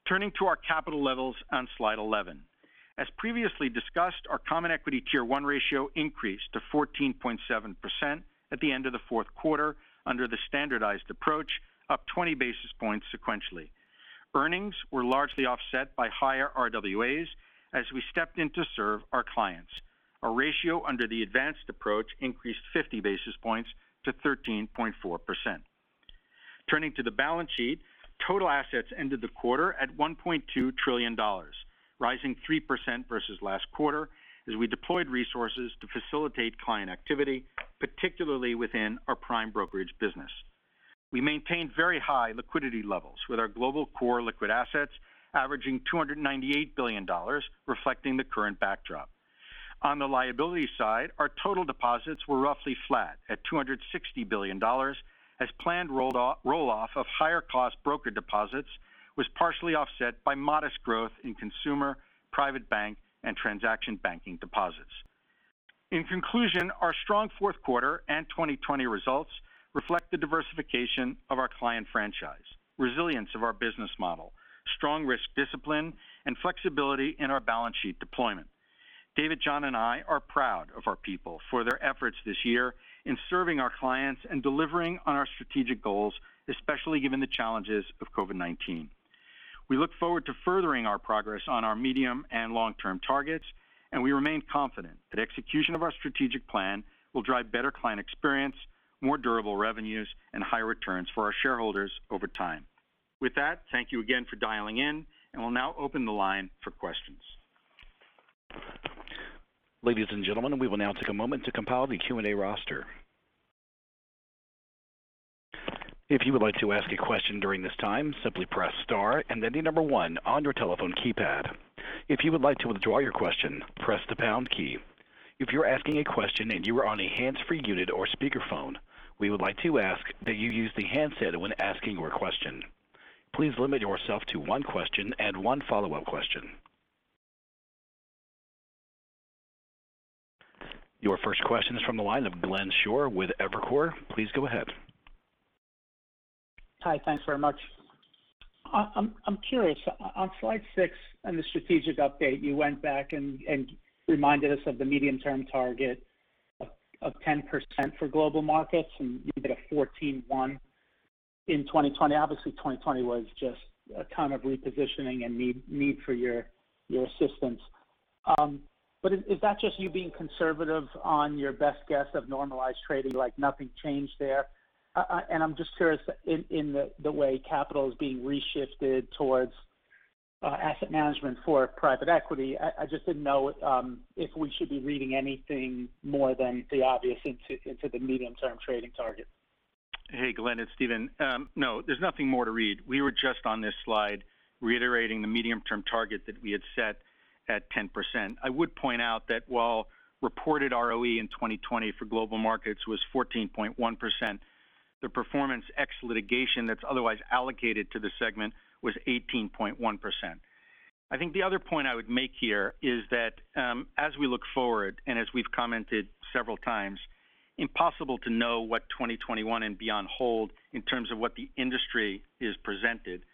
Turning to our capital levels on slide 11. As previously discussed, our common equity Tier 1 ratio increased to 14.7% at the end of the fourth quarter under the standardized approach, up 20 basis points sequentially. Earnings were largely offset by higher RWAs as we stepped in to serve our clients. Our ratio under the advanced approach increased 50 basis points to 13.4%. Turning to the balance sheet, total assets ended the quarter at $1.2 trillion, rising 3% versus last quarter as we deployed resources to facilitate client activity, particularly within our prime brokerage business. We maintained very high liquidity levels with our global core liquid assets averaging $298 billion, reflecting the current backdrop. On the liability side, our total deposits were roughly flat at $260 billion as planned roll-off of higher-cost broker deposits was partially offset by modest growth in consumer, private bank, and transaction banking deposits. In conclusion, our strong fourth quarter and 2020 results reflect the diversification of our client franchise, resilience of our business model, strong risk discipline, and flexibility in our balance sheet deployment. David, John, and I are proud of our people for their efforts this year in serving our clients and delivering on our strategic goals, especially given the challenges of COVID-19. We look forward to furthering our progress on our medium and long-term targets, and we remain confident that execution of our strategic plan will drive better client experience, more durable revenues, and higher returns for our shareholders over time. With that, thank you again for dialing in, and we'll now open the line for questions. Ladies and gentlemen, we will now take a moment to compile the Q&A roster. If you would like to ask a question during this time, simply press star and then the number one on your telephone keypad. If you would like to withdraw your question, press the pound key. If you're asking a question and you are on a hands-free unit or speakerphone, we would like to ask that you use the handset when asking your question. Please limit yourself to one question and one follow-up question. Your first question is from the line of Glenn Schorr with Evercore. Please go ahead. Hi. Thanks very much. I'm curious, on slide six, on the strategic update, you went back and reminded us of the medium-term target of 10% for global markets, and you did a 14.1% in 2020. Obviously, 2020 was just a time of repositioning and need for your assistance. Is that just you being conservative on your best guess of normalized trading like nothing changed there? I'm just curious in the way capital is being reshifted towards asset management for private equity. I just didn't know if we should be reading anything more than the obvious into the medium-term trading target. Hey, Glenn, it's Steven. There's nothing more to read. We were just on this slide reiterating the medium-term target that we had set at 10%. I would point out that while reported ROE in 2020 for global markets was 14.1%, the performance ex-litigation that's otherwise allocated to the segment was 18.1%. I think the other point I would make here is that, as we look forward and as we've commented several times, impossible to know what 2021 and beyond hold in terms of what the industry is presented.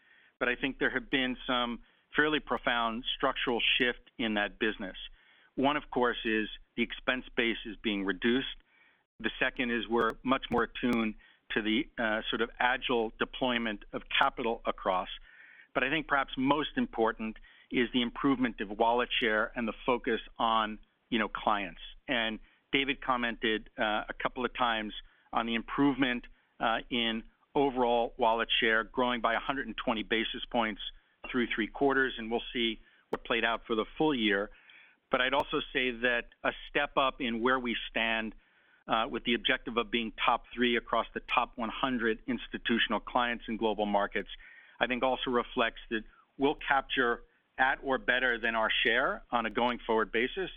I think there have been some fairly profound structural shift in that business. One, of course, is the expense base is being reduced. The second is we're much more attuned to the agile deployment of capital across. I think perhaps most important is the improvement of wallet share and the focus on clients. David commented a couple of times on the improvement in overall wallet share growing by 120 basis points through three quarters, and we'll see what played out for the full year. I'd also say that a step up in where we stand with the objective of being top three across the top 100 institutional clients in global markets, I think also reflects that we'll capture at or better than our share on a going forward basis.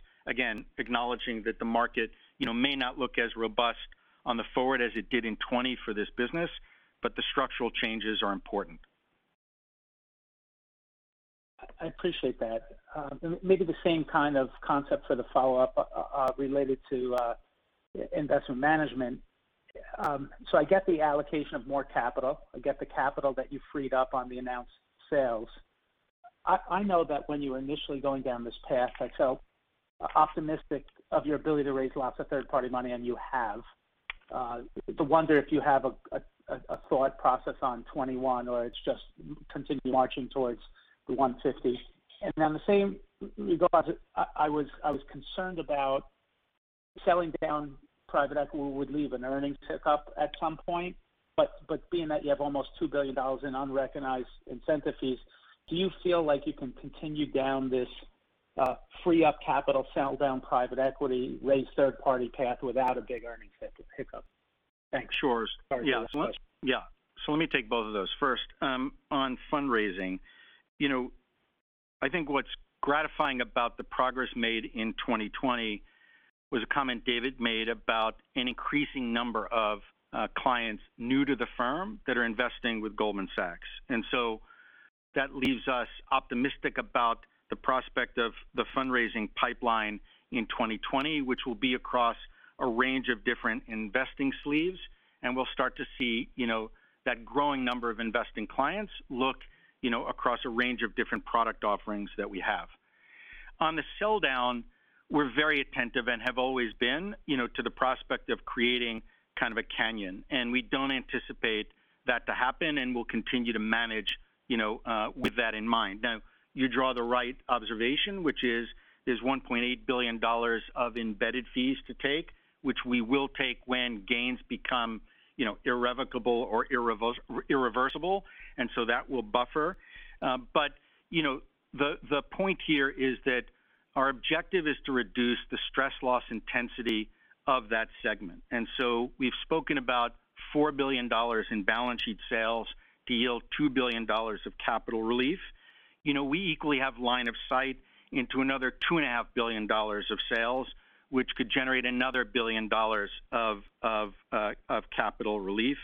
Acknowledging that the market may not look as robust on the forward as it did in 2020 for this business, but the structural changes are important. I appreciate that. Maybe the same kind of concept for the follow-up related to investment management. I get the allocation of more capital. I get the capital that you freed up on the announced sales. I know that when you were initially going down this path, like so optimistic of your ability to raise lots of third-party money, and you have. I wonder if you have a thought process on 2021, or it's just continue marching towards the 150. On the same regard, I was concerned about selling down private equity would leave an earnings pickup at some point. Being that you have almost $2 billion in unrecognized incentive fees, do you feel like you can continue down this free up capital, sell down private equity, raise third-party path without a big earnings pickup? Thanks. Sure. Sorry for those questions. Yeah. Let me take both of those. First, on fundraising, I think what's gratifying about the progress made in 2020 was a comment David made about an increasing number of clients new to the firm that are investing with Goldman Sachs. That leaves us optimistic about the prospect of the fundraising pipeline in 2020, which will be across a range of different investing sleeves, and we'll start to see that growing number of investing clients look across a range of different product offerings that we have. On the sell down, we're very attentive and have always been to the prospect of creating a canyon, and we don't anticipate that to happen, and we'll continue to manage with that in mind. Now, you draw the right observation, which is there's $1.8 billion of embedded fees to take, which we will take when gains become irrevocable or irreversible, and so that will buffer. The point here is that our objective is to reduce the stress loss intensity of that segment. We've spoken about $4 billion in balance sheet sales to yield $2 billion of capital relief. We equally have line of sight into another $2.5 billion of sales, which could generate another $1 billion of capital relief.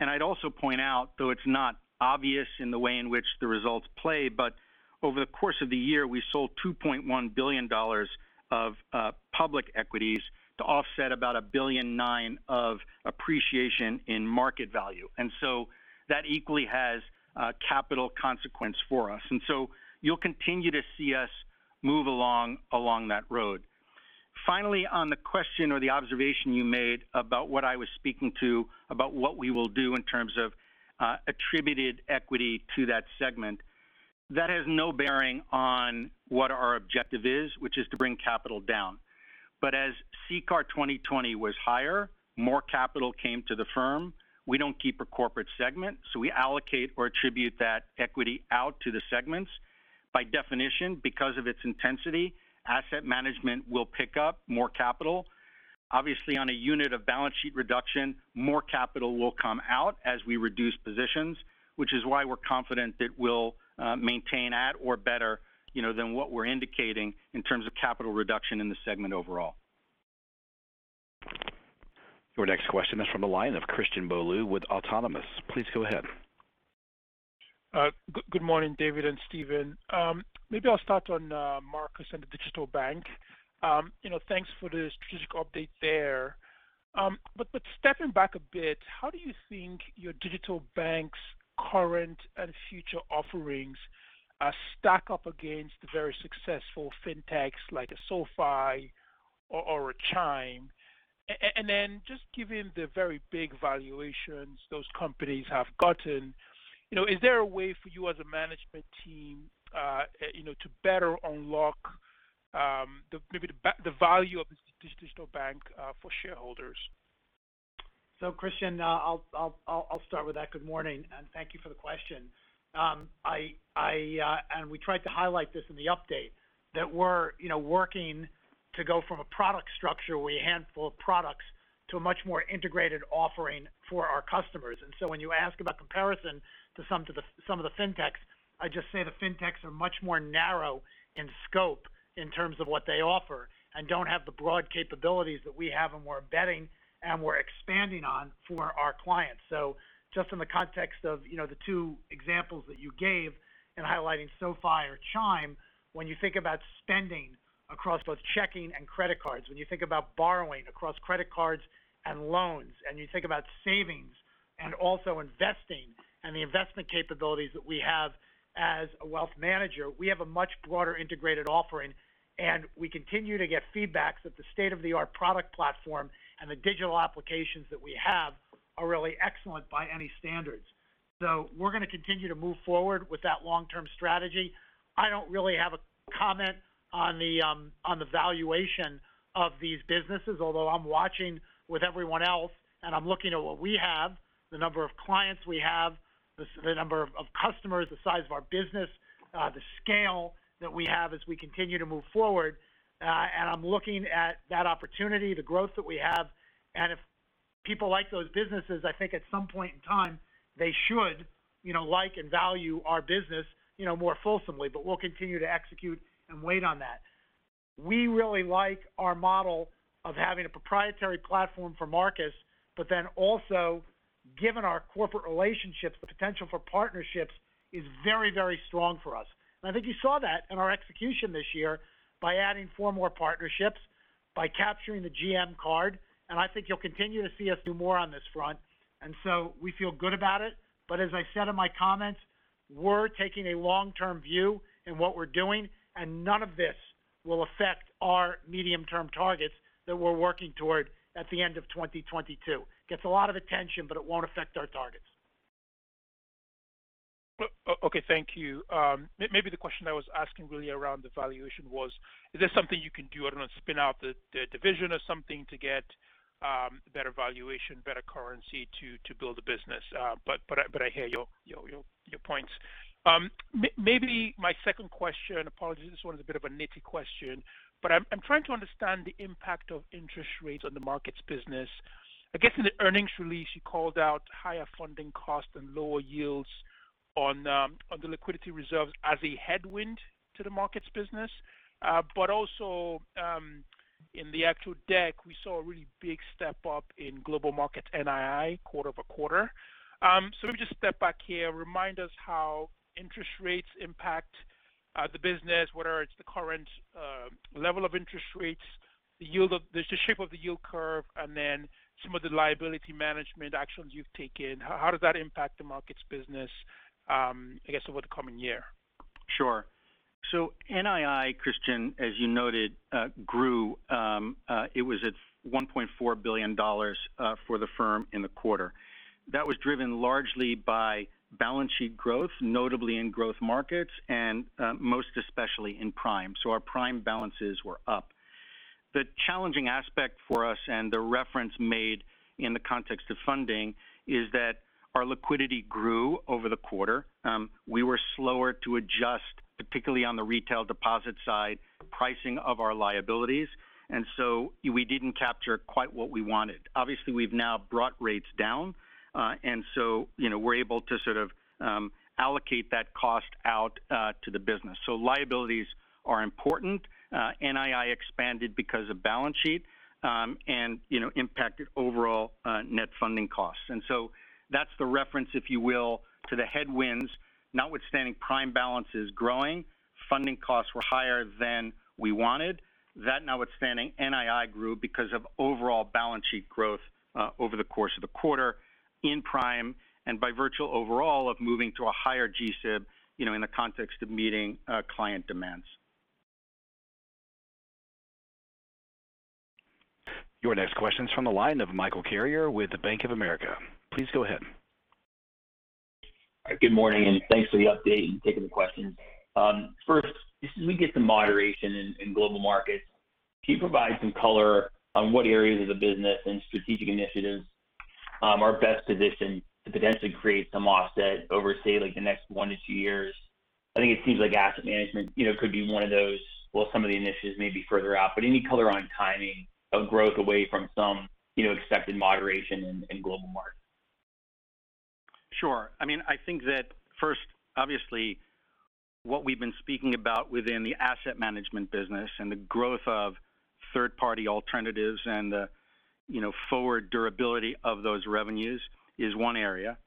I'd also point out, though it's not obvious in the way in which the results play, but over the course of the year, we sold $2.1 billion of public equities to offset about $1.9 billion of appreciation in market value. That equally has a capital consequence for us. You'll continue to see us move along that road. Finally, on the question or the observation you made about what I was speaking to about what we will do in terms of attributed equity to that segment, that has no bearing on what our objective is, which is to bring capital down. As CCAR 2020 was higher, more capital came to the firm. We don't keep a corporate segment, so we allocate or attribute that equity out to the segments. By definition, because of its intensity, asset management will pick up more capital. Obviously, on a unit of balance sheet reduction, more capital will come out as we reduce positions, which is why we're confident that we'll maintain at or better than what we're indicating in terms of capital reduction in the segment overall. Your next question is from the line of Christian Bolu with Autonomous Reseach. Please go ahead. Good morning, David and Steven. I'll start on Marcus and the digital bank. Thanks for the strategic update there. Stepping back a bit, how do you think your digital bank's current and future offerings stack up against the very successful fintechs like a SoFi or a Chime? Just given the very big valuations those companies have gotten, is there a way for you as a management team to better unlock maybe the value of this digital bank for shareholders? Christian, I'll start with that. Good morning, and thank you for the question. We tried to highlight this in the update that we're working to go from a product structure with a handful of products to a much more integrated offering for our customers. When you ask about comparison to some of the fintechs, I just say the fintechs are much more narrow in scope in terms of what they offer and don't have the broad capabilities that we have and we're embedding and we're expanding on for our clients. Just in the context of the two examples that you gave in highlighting SoFi or Chime, when you think about spending across both checking and credit cards, when you think about borrowing across credit cards and loans, and you think about savings and also investing and the investment capabilities that we have as a wealth manager, we have a much broader integrated offering. We continue to get feedback that the state-of-the-art product platform and the digital applications that we have are really excellent by any standards. We're going to continue to move forward with that long-term strategy. I don't really have a comment on the valuation of these businesses, although I'm watching with everyone else, and I'm looking at what we have, the number of clients we have, the number of customers, the size of our business, the scale that we have as we continue to move forward. I'm looking at that opportunity, the growth that we have, and if people like those businesses, I think at some point in time, they should like and value our business more fulsomely. We'll continue to execute and wait on that. We really like our model of having a proprietary platform for Marcus, but then also, given our corporate relationships, the potential for partnerships is very strong for us. I think you saw that in our execution this year by adding four more partnerships, by capturing the GM card, and I think you'll continue to see us do more on this front. We feel good about it. As I said in my comments, we're taking a long-term view in what we're doing, and none of this will affect our medium-term targets that we're working toward at the end of 2022. It gets a lot of attention, but it won't affect our targets. Okay. Thank you. The question I was asking really around the valuation was, is there something you can do, I don't know, spin out the division or something to get better valuation, better currency to build a business? I hear your points. My second question, apologies, this one is a bit of a nitty question, I'm trying to understand the impact of interest rates on the markets business. I guess in the earnings release, you called out higher funding costs and lower yields on the liquidity reserves as a headwind to the markets business? Also, in the actual deck, we saw a really big step-up in global market NII quarter-over-quarter. Let me just step back here, remind us how interest rates impact the business, whether it's the current level of interest rates, the shape of the yield curve, and then some of the liability management actions you've taken. How does that impact the markets business, I guess, over the coming year? Sure. NII, Christian, as you noted, grew. It was at $1.4 billion for the firm in the quarter. That was driven largely by balance sheet growth, notably in growth markets and most especially in prime. Our prime balances were up. The challenging aspect for us, and the reference made in the context of funding, is that our liquidity grew over the quarter. We were slower to adjust, particularly on the retail deposit side, pricing of our liabilities, we didn't capture quite what we wanted. Obviously, we've now brought rates down, we're able to sort of allocate that cost out to the business. Liabilities are important. NII expanded because of balance sheet, impacted overall net funding costs. That's the reference, if you will, to the headwinds. Notwithstanding prime balances growing, funding costs were higher than we wanted. That notwithstanding, NII grew because of overall balance sheet growth over the course of the quarter in prime, and by virtual overall of moving to a higher G-SIB in the context of meeting client demands. Your next question is from the line of Michael Carrier with Bank of America. Please go ahead. Good morning, and thanks for the update and taking the questions. First, just as we get some moderation in global markets, can you provide some color on what areas of the business and strategic initiatives are best positioned to potentially create some offset over, say, like the next one to two years? I think it seems like asset management could be one of those, while some of the initiatives may be further out. Any color on timing of growth away from some accepted moderation in global markets? Sure. I think that first, obviously, what we've been speaking about within the asset management business and the growth of third-party alternatives and the forward durability of those revenues is one area.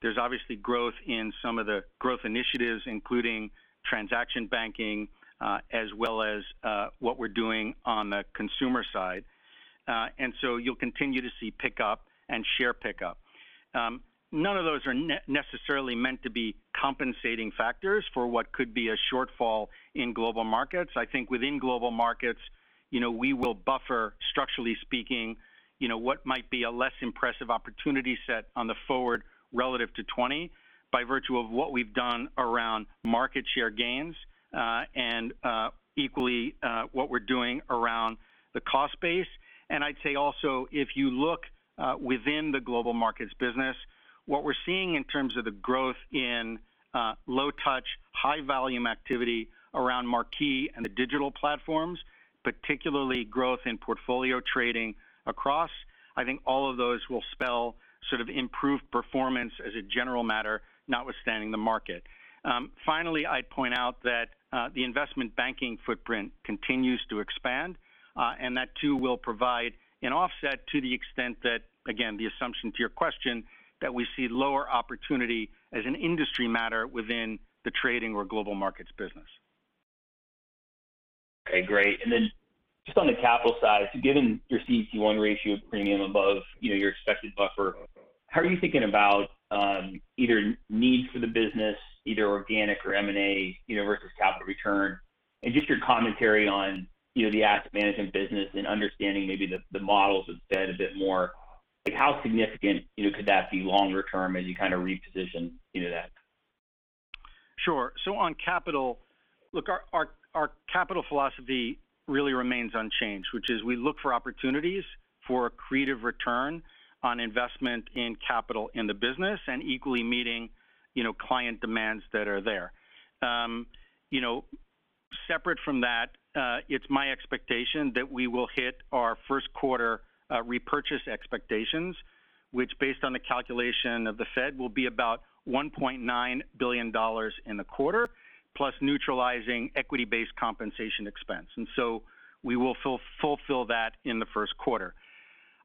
There's obviously growth in some of the growth initiatives, including transaction banking, as well as what we're doing on the consumer side. You'll continue to see pickup and share pickup. None of those are necessarily meant to be compensating factors for what could be a shortfall in global markets. I think within global markets, we will buffer, structurally speaking, what might be a less impressive opportunity set on the forward relative to 2020, by virtue of what we've done around market share gains, and equally, what we're doing around the cost base. I'd say also, if you look within the global markets business, what we're seeing in terms of the growth in low-touch, high-volume activity around Marquee and the digital platforms, particularly growth in portfolio trading across, I think all of those will spell sort of improved performance as a general matter, notwithstanding the market. Finally, I'd point out that the investment banking footprint continues to expand, and that too will provide an offset to the extent that, again, the assumption to your question, that we see lower opportunity as an industry matter within the trading or global markets business. Okay, great. Just on the capital side, given your CET1 ratio bringing above your expected buffer, how are you thinking about either needs for the business, either organic or M&A versus capital return, and just your commentary on the asset management business and understanding maybe the models instead a bit more. How significant could that be longer term as you kind of reposition into that? Sure. On capital, look, our capital philosophy really remains unchanged, which is we look for opportunities for accretive return on investment in capital in the business, and equally meeting client demands that are there. Separate from that, it's my expectation that we will hit our first quarter repurchase expectations, which, based on the calculation of the Fed, will be about $1.9 billion in the quarter, plus neutralizing equity-based compensation expense. We will fulfill that in the first quarter.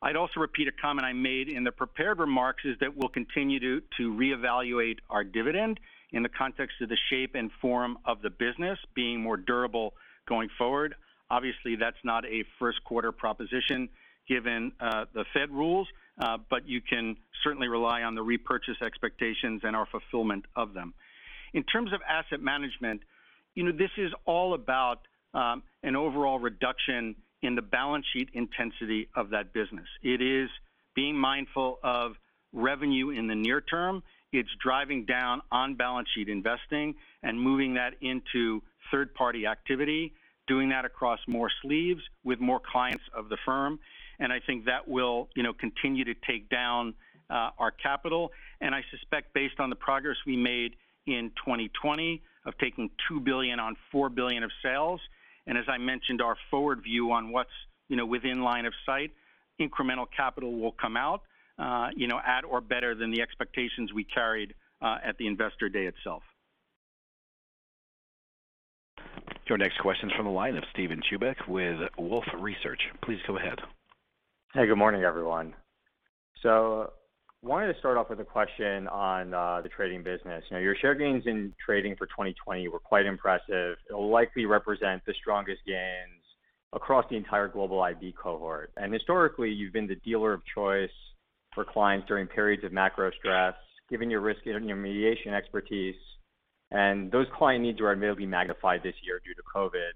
I'd also repeat a comment I made in the prepared remarks, is that we'll continue to reevaluate our dividend in the context of the shape and form of the business being more durable going forward. Obviously, that's not a first-quarter proposition given the Fed rules. You can certainly rely on the repurchase expectations and our fulfillment of them. In terms of asset management, this is all about an overall reduction in the balance sheet intensity of that business. It is being mindful of revenue in the near term. It's driving down on-balance-sheet investing and moving that into third-party activity, doing that across more sleeves with more clients of the firm, and I think that will continue to take down our capital. I suspect based on the progress we made in 2020 of taking $2 billion on $4 billion of sales, and as I mentioned, our forward view on what's within line of sight, incremental capital will come out at or better than the expectations we carried at the Investor Day itself. Your next question's from the line of Steven Chubak with Wolfe Research. Please go ahead. Hey, good morning, everyone. Wanted to start off with a question on the trading business. Your share gains in trading for 2020 were quite impressive. It'll likely represent the strongest gains across the entire global IB cohort. Historically, you've been the dealer of choice for clients during periods of macro stress, given your risk and your mediation expertise. Those client needs are admittedly magnified this year due to COVID,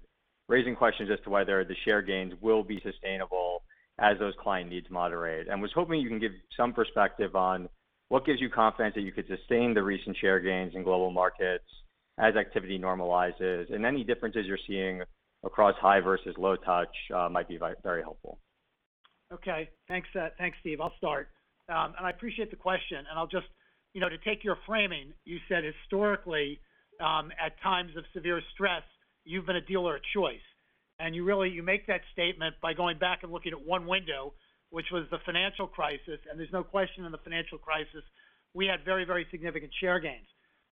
raising questions as to whether the share gains will be sustainable as those client needs moderate. Was hoping you can give some perspective on what gives you confidence that you could sustain the recent share gains in global markets as activity normalizes, and any differences you're seeing across high versus low touch might be very helpful. Okay. Thanks, Steve. I'll start. I appreciate the question. To take your framing, you said historically, at times of severe stress, you've been a dealer of choice. You make that statement by going back and looking at one window, which was the financial crisis. There's no question in the financial crisis, we had very significant share gains.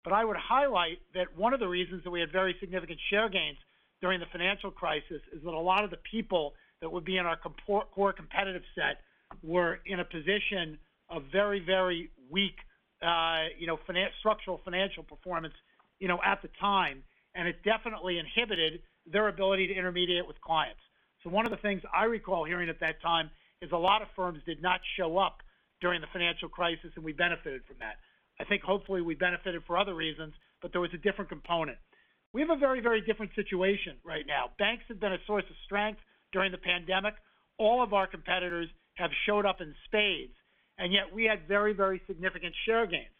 I would highlight that one of the reasons that we had very significant share gains during the financial crisis is that a lot of the people that would be in our core competitive set were in a position of very weak structural financial performance at the time, and it definitely inhibited their ability to intermediate with clients. One of the things I recall hearing at that time is a lot of firms did not show up during the financial crisis, and we benefited from that. I think hopefully we benefited for other reasons, but there was a different component. We have a very different situation right now. Banks have been a source of strength during the pandemic. All of our competitors have showed up in spades, yet we had very significant share gains.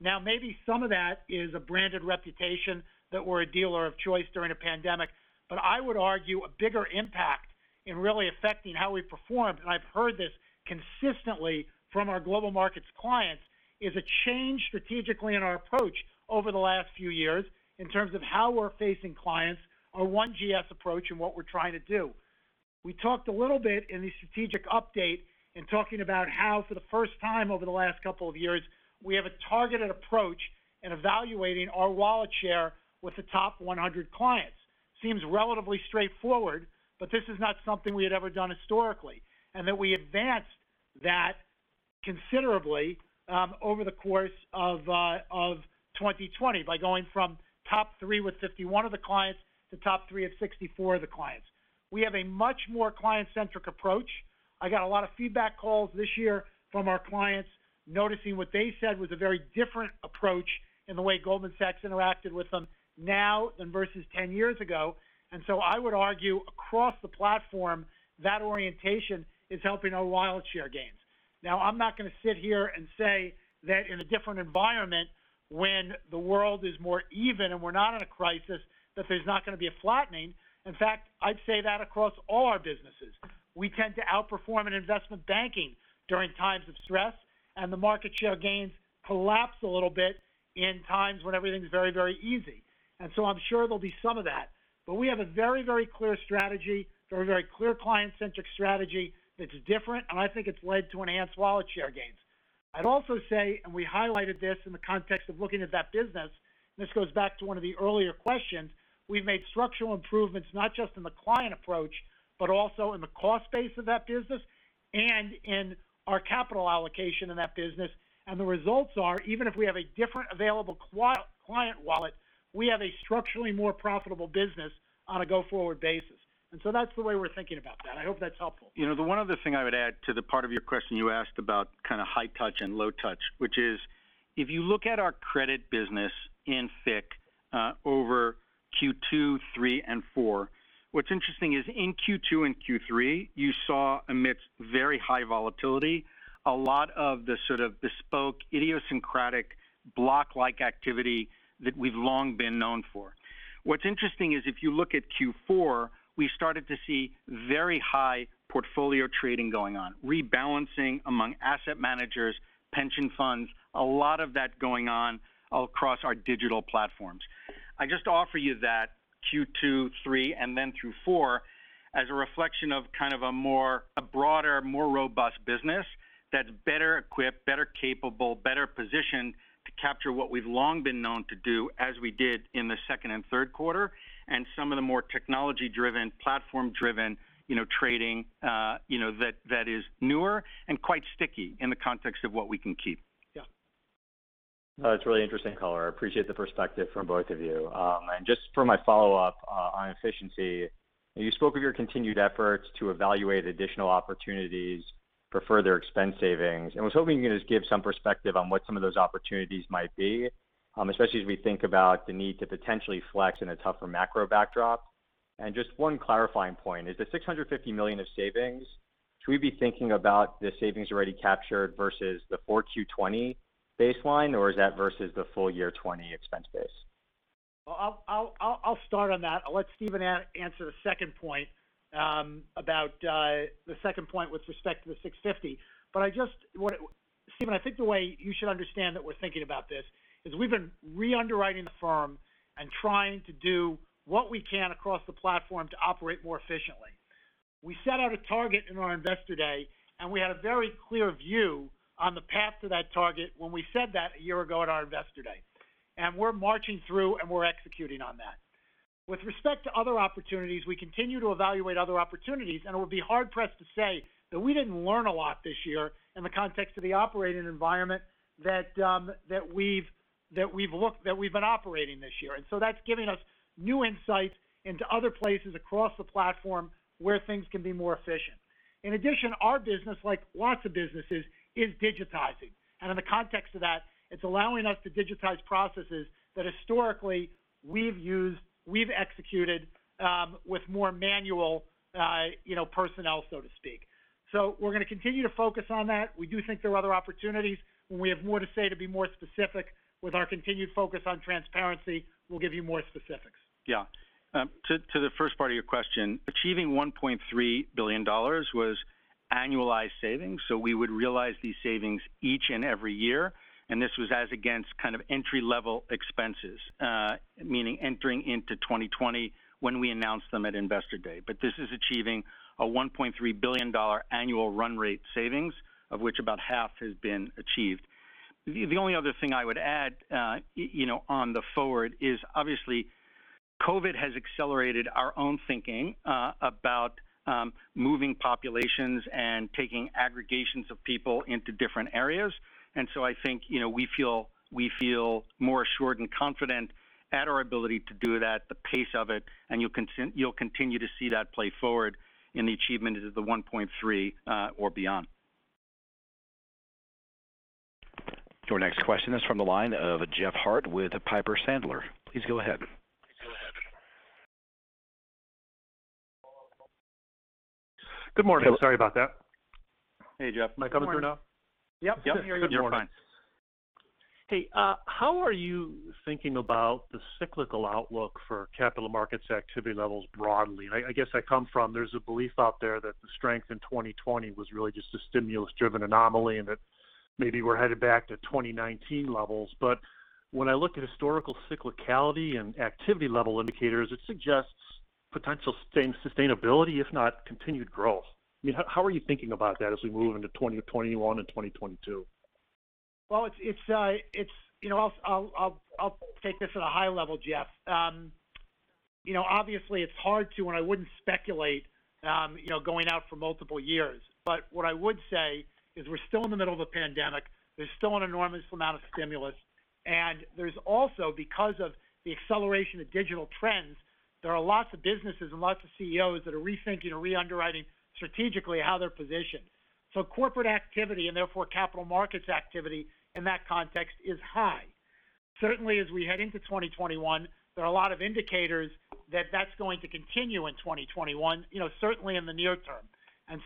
Maybe some of that is a branded reputation that we're a dealer of choice during a pandemic, but I would argue a bigger impact in really affecting how we performed, and I've heard this consistently from our Global Markets clients, is a change strategically in our approach over the last few years in terms of how we're facing clients, our One GS approach, and what we're trying to do. We talked a little bit in the strategic update in talking about how for the first time over the last couple of years, we have a targeted approach in evaluating our wallet share with the top 100 clients. Seems relatively straightforward, but this is not something we had ever done historically. That we advanced that considerably over the course of 2020 by going from top three with 51 of the clients to top three with 64 of the clients. We have a much more client-centric approach. I got a lot of feedback calls this year from our clients noticing what they said was a very different approach in the way Goldman Sachs interacted with them now than versus 10 years ago. I would argue across the platform, that orientation is helping our wallet share gains. Now, I'm not going to sit here and say that in a different environment, when the world is more even and we're not in a crisis, that there's not going to be a flattening. In fact, I'd say that across all our businesses. We tend to outperform in investment banking during times of stress, the market share gains collapse a little bit in times when everything's very, very easy. I'm sure there'll be some of that, but we have a very, very clear strategy, very, very clear client-centric strategy that's different, and I think it's led to enhanced wallet share gains. I'd also say, and we highlighted this in the context of looking at that business, and this goes back to one of the earlier questions, we've made structural improvements not just in the client approach, but also in the cost base of that business and in our capital allocation in that business. The results are, even if we have a different available client wallet, we have a structurally more profitable business on a go-forward basis. That's the way we're thinking about that. I hope that's helpful. The one other thing I would add to the part of your question you asked about high touch and low touch, which is if you look at our credit business in FICC over Q2, Q3, and Q4, what's interesting is in Q2 and Q3, you saw amidst very high volatility, a lot of the sort of bespoke, idiosyncratic, block-like activity that we've long been known for. What's interesting is if you look at Q4, we started to see very high portfolio trading going on, rebalancing among asset managers, pension funds, a lot of that going on across our digital platforms. I just offer you that Q2, Q3, and then Q4 as a reflection of kind of a broader, more robust business that's better equipped, better capable, better positioned to capture what we've long been known to do as we did in the second quarter and third quarter, and some of the more technology-driven, platform-driven trading that is newer and quite sticky in the context of what we can keep. Yeah. That's really interesting color. I appreciate the perspective from both of you. Just for my follow-up on efficiency, you spoke of your continued efforts to evaluate additional opportunities for further expense savings, and was hoping you could just give some perspective on what some of those opportunities might be, especially as we think about the need to potentially flex in a tougher macro backdrop. Just one clarifying point, is the $650 million of savings, should we be thinking about the savings already captured versus the 4Q 2020 baseline, or is that versus the full year 2020 expense base? I'll start on that. I'll let Steven answer the second point with respect to the $650 million. Steven, I think the way you should understand that we're thinking about this is we've been re-underwriting the firm and trying to do what we can across the platform to operate more efficiently. We set out a target in our Investor Day, and we had a very clear view on the path to that target when we said that a year ago at our Investor Day. We're marching through and we're executing on that. With respect to other opportunities, we continue to evaluate other opportunities, and would be hard-pressed to say that we didn't learn a lot this year in the context of the operating environment that we've been operating this year. That's giving us new insights into other places across the platform where things can be more efficient. Our business, like lots of businesses, is digitizing. In the context of that, it's allowing us to digitize processes that historically we've executed with more manual personnel, so to speak. We're going to continue to focus on that. We do think there are other opportunities. When we have more to say, to be more specific with our continued focus on transparency, we'll give you more specifics. Yeah. To the first part of your question, achieving $1.3 billion was annualized savings, so we would realize these savings each and every year, and this was as against kind of entry-level expenses, meaning entering into 2020 when we announced them at Investor Day. This is achieving a $1.3 billion annual run rate savings, of which about half has been achieved. The only other thing I would add on the forward is obviously COVID has accelerated our own thinking about moving populations and taking aggregations of people into different areas. I think we feel more assured and confident at our ability to do that, the pace of it, and you'll continue to see that play forward in the achievement of the $1.3 billion or beyond. Your next question is from the line of Jeff Harte with Piper Sandler. Please go ahead. Good morning. Sorry about that. Hey, Jeff. Am I coming through now? Yep. Yep. You're fine. Hey, how are you thinking about the cyclical outlook for capital markets activity levels broadly? I guess I come from, there's a belief out there that the strength in 2020 was really just a stimulus-driven anomaly, and that maybe we're headed back to 2019 levels. When I look at historical cyclicality and activity level indicators, it suggests potential sustainability, if not continued growth. How are you thinking about that as we move into 2021 and 2022? I'll take this at a high level, Jeff. Obviously, it's hard to, and I wouldn't speculate going out for multiple years, but what I would say is we're still in the middle of a pandemic. There's still an enormous amount of stimulus. There's also, because of the acceleration of digital trends, there are lots of businesses and lots of CEOs that are rethinking and re-underwriting strategically how they're positioned. Corporate activity, and therefore capital markets activity in that context is high. Certainly, as we head into 2021, there are a lot of indicators that that's going to continue in 2021, certainly in the near term.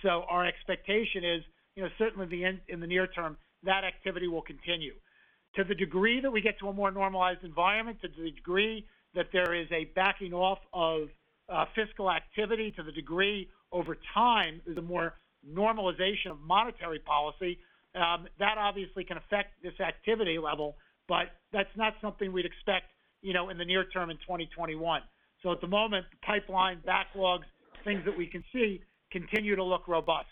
Our expectation is certainly in the near term that activity will continue. To the degree that we get to a more normalized environment, to the degree that there is a backing off of fiscal activity, to the degree over time, there's a more normalization of monetary policy, that obviously can affect this activity level. That's not something we'd expect in the near term in 2021. At the moment, the pipeline backlogs, things that we can see continue to look robust.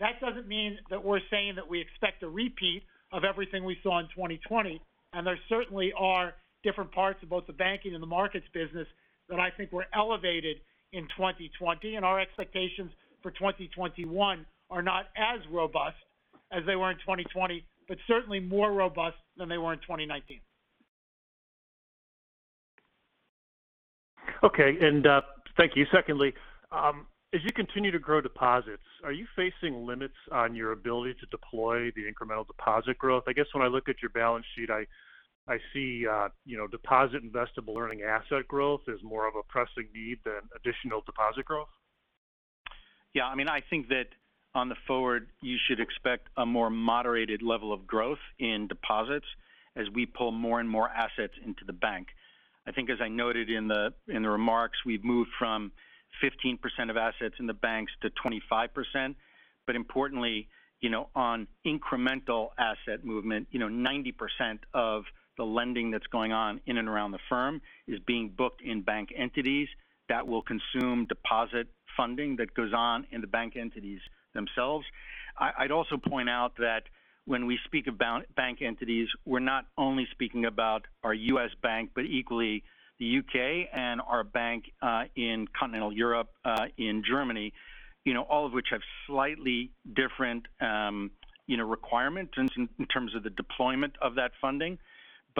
That doesn't mean that we're saying that we expect a repeat of everything we saw in 2020, and there certainly are different parts of both the banking and the markets business that I think were elevated in 2020. Our expectations for 2021 are not as robust as they were in 2020, but certainly more robust than they were in 2019. Okay. Thank you. Secondly, as you continue to grow deposits, are you facing limits on your ability to deploy the incremental deposit growth? I guess when I look at your balance sheet, I see deposit investable earning asset growth as more of a pressing need than additional deposit growth. Yeah, I think that on the forward, you should expect a more moderated level of growth in deposits as we pull more and more assets into the bank. I think as I noted in the remarks, we've moved from 15% of assets in the banks to 25%. Importantly, on incremental asset movement, 90% of the lending that's going on in and around the firm is being booked in bank entities that will consume deposit funding that goes on in the bank entities themselves. I'd also point out that when we speak about bank entities, we're not only speaking about our US Bank, but equally the U.K. and our bank in continental Europe, in Germany. All of which have slightly different requirements in terms of the deployment of that funding.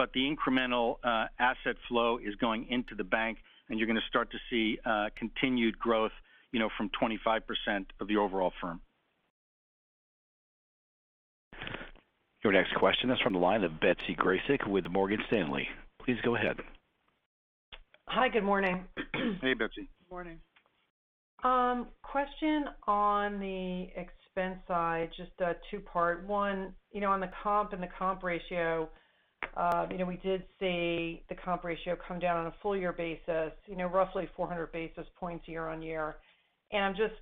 The incremental asset flow is going into the bank, and you're going to start to see continued growth from 25% of the overall firm. Your next question is from the line of Betsy Graseck with Morgan Stanley. Please go ahead. Hi, good morning. Hey, Betsy. Morning. Question on the expense side, just a two-part. One, on the comp and the comp ratio, we did see the comp ratio come down on a full-year basis roughly 400 basis points year-on-year. I'm just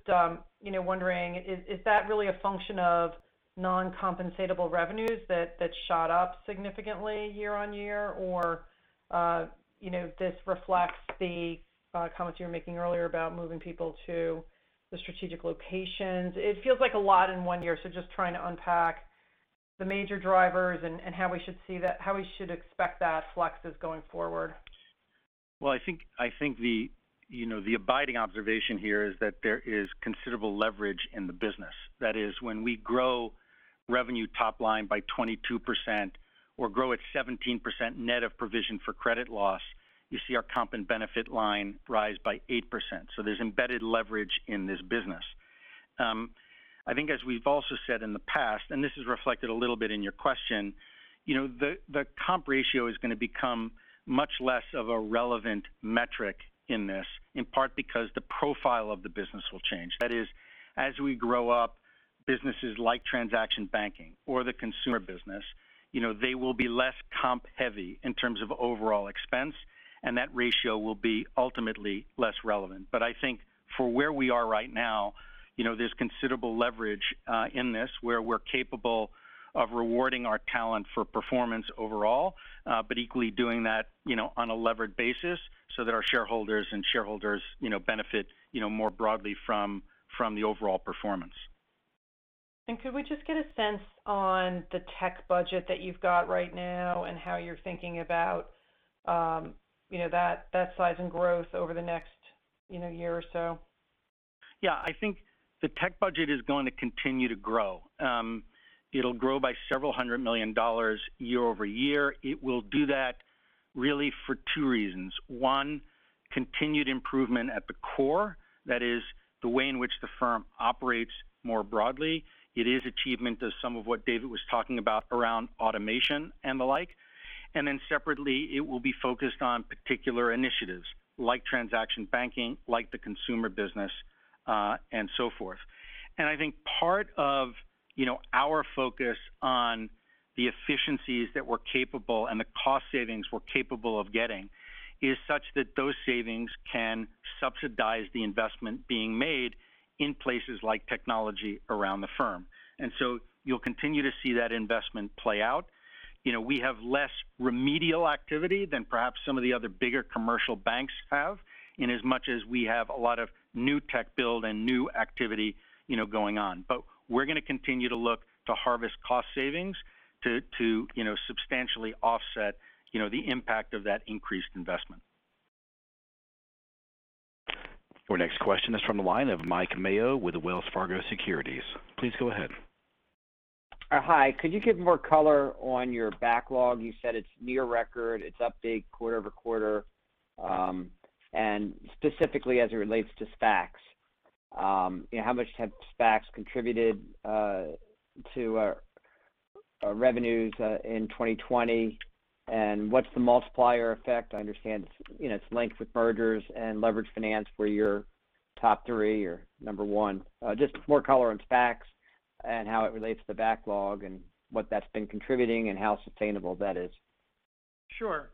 wondering, is that really a function of non-compensable revenues that shot up significantly year-on-year? Or this reflects the comments you were making earlier about moving people to the strategic locations. It feels like a lot in one year. Just trying to unpack the major drivers and how we should expect that flexes going forward? I think the abiding observation here is that there is considerable leverage in the business. That is, when we grow revenue top line by 22% or grow at 17% net of provision for credit loss, you see our comp and benefit line rise by 8%. There's embedded leverage in this business. As we've also said in the past, and this is reflected a little bit in your question, the comp ratio is going to become much less of a relevant metric in this, in part because the profile of the business will change. As we grow up businesses like transaction banking or the consumer business, they will be less comp-heavy in terms of overall expense, and that ratio will be ultimately less relevant. I think for where we are right now, there's considerable leverage in this where we're capable of rewarding our talent for performance overall. Equally doing that on a levered basis so that our shareholders benefit more broadly from the overall performance. Could we just get a sense on the tech budget that you've got right now and how you're thinking about that size and growth over the next year or so? Yeah, I think the tech budget is going to continue to grow. It'll grow by several hundred million dollars year-over-year. It will do that really for two reasons. One, continued improvement at the core. That is the way in which the firm operates more broadly. It is achievement of some of what David was talking about around automation and the like. Separately, it will be focused on particular initiatives like transaction banking, like the consumer business, and so forth. I think part of our focus on the efficiencies that we're capable and the cost savings we're capable of getting is such that those savings can subsidize the investment being made in places like technology around the firm. You'll continue to see that investment play out. We have less remedial activity than perhaps some of the other bigger commercial banks have, in as much as we have a lot of new tech build and new activity going on. We're going to continue to look to harvest cost savings to substantially offset the impact of that increased investment. Our next question is from the line of Mike Mayo with Wells Fargo Securities. Please go ahead. Hi. Could you give more color on your backlog? You said it's near record. It's up big quarter-over-quarter. Specifically as it relates to SPACs. How much have SPACs contributed to our revenues in 2020, and what's the multiplier effect? I understand it's linked with mergers and leverage finance for your top three or number one. More color on SPACs and how it relates to the backlog and what that's been contributing and how sustainable that is? Sure.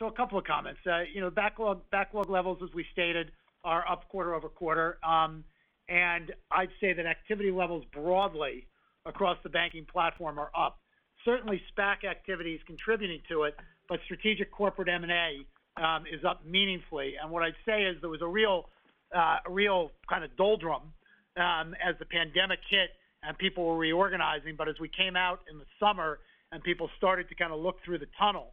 A couple of comments. Backlog levels, as we stated, are up quarter-over-quarter. I'd say that activity levels broadly across the banking platform are up. Certainly, SPAC activity is contributing to it, but strategic corporate M&A is up meaningfully. What I'd say is there was a real kind of doldrum as the pandemic hit and people were reorganizing. As we came out in the summer and people started to kind of look through the tunnel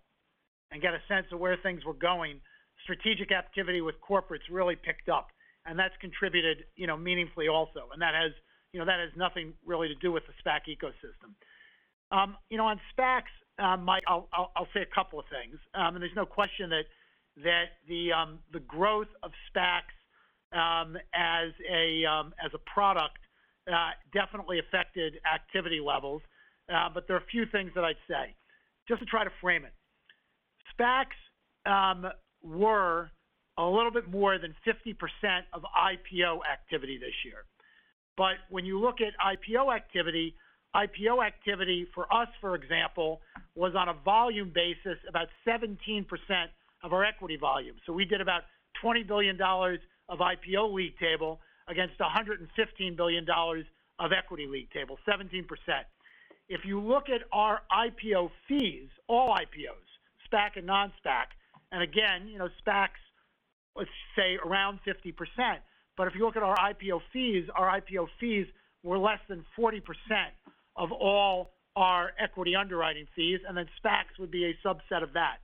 and get a sense of where things were going, strategic activity with corporates really picked up, and that's contributed meaningfully also. That has nothing really to do with the SPAC ecosystem. On SPACs, Mike, I'll say a couple of things. There's no question that the growth of SPACs as a product definitely affected activity levels. There are a few things that I'd say just to try to frame it. SPACs were a little bit more than 50% of IPO activity this year. When you look at IPO activity, IPO activity for us, for example, was on a volume basis about 17% of our equity volume. We did about $20 billion of IPO league table against $115 billion of equity league table, 17%. If you look at our IPO fees, all IPOs, SPAC and non-SPAC, and again, SPACs, let's say, around 50%. If you look at our IPO fees, our IPO fees were less than 40% of all our equity underwriting fees, and then SPACs would be a subset of that.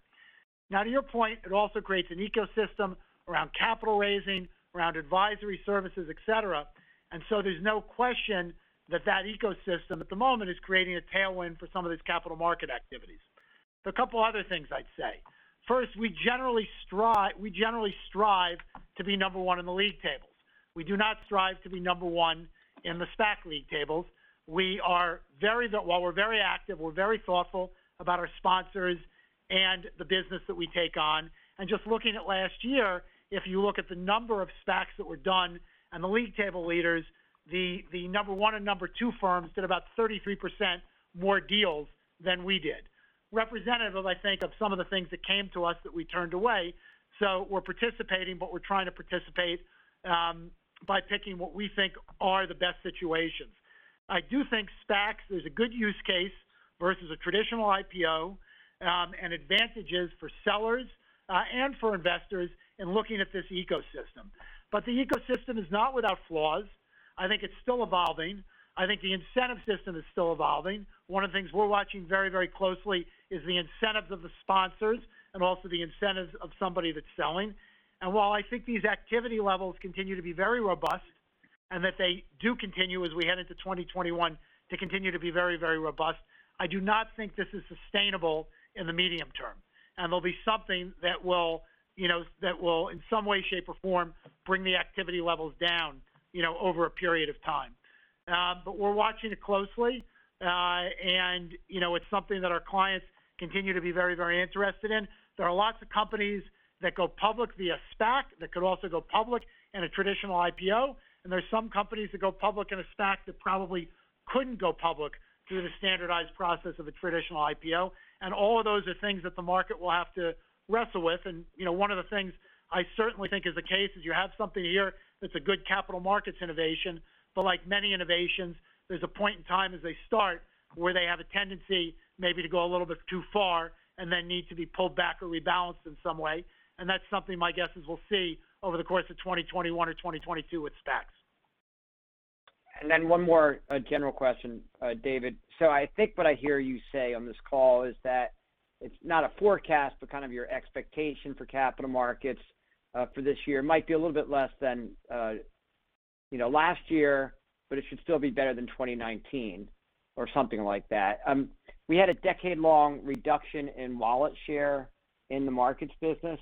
To your point, it also creates an ecosystem around capital raising, around advisory services, et cetera. There's no question that the ecosystem at the moment is creating a tailwind for some of these capital market activities. There are a couple of other things I'd say. First, we generally strive to be number one in the league tables. We do not strive to be number one in the SPAC league tables. While we're very active, we're very thoughtful about our sponsors and the business that we take on. Just looking at last year, if you look at the number of SPACs that were done and the league table leaders, the number one and number two firms did about 33% more deals than we did. Representative, I think, of some of the things that came to us that we turned away. We're participating, but we're trying to participate by picking what we think are the best situations. I do think SPACs is a good use case versus a traditional IPO, and advantages for sellers and for investors in looking at this ecosystem. The ecosystem is not without flaws. I think it's still evolving. I think the incentive system is still evolving. One of the things we're watching very closely is the incentives of the sponsors and also the incentives of somebody that's selling. While I think these activity levels continue to be very robust, and that they do continue as we head into 2021 to continue to be very robust, I do not think this is sustainable in the medium term. There'll be something that will, in some way, shape, or form, bring the activity levels down over a period of time. We're watching it closely. It's something that our clients continue to be very interested in. There are lots of companies that go public via SPAC that could also go public in a traditional IPO. There are some companies that go public in a SPAC that probably couldn't go public through the standardized process of a traditional IPO. All of those are things that the market will have to wrestle with. One of the things I certainly think is the case is you have something here that's a good capital markets innovation. Like many innovations, there's a point in time as they start where they have a tendency maybe to go a little bit too far and then need to be pulled back or rebalanced in some way. That's something my guess is we'll see over the course of 2021 or 2022 with SPACs. One more general question, David. I think what I hear you say on this call is that it's not a forecast, but kind of your expectation for capital markets for this year might be a little bit less than last year, but it should still be better than 2019 or something like that. We had a decade-long reduction in wallet share in the market's business.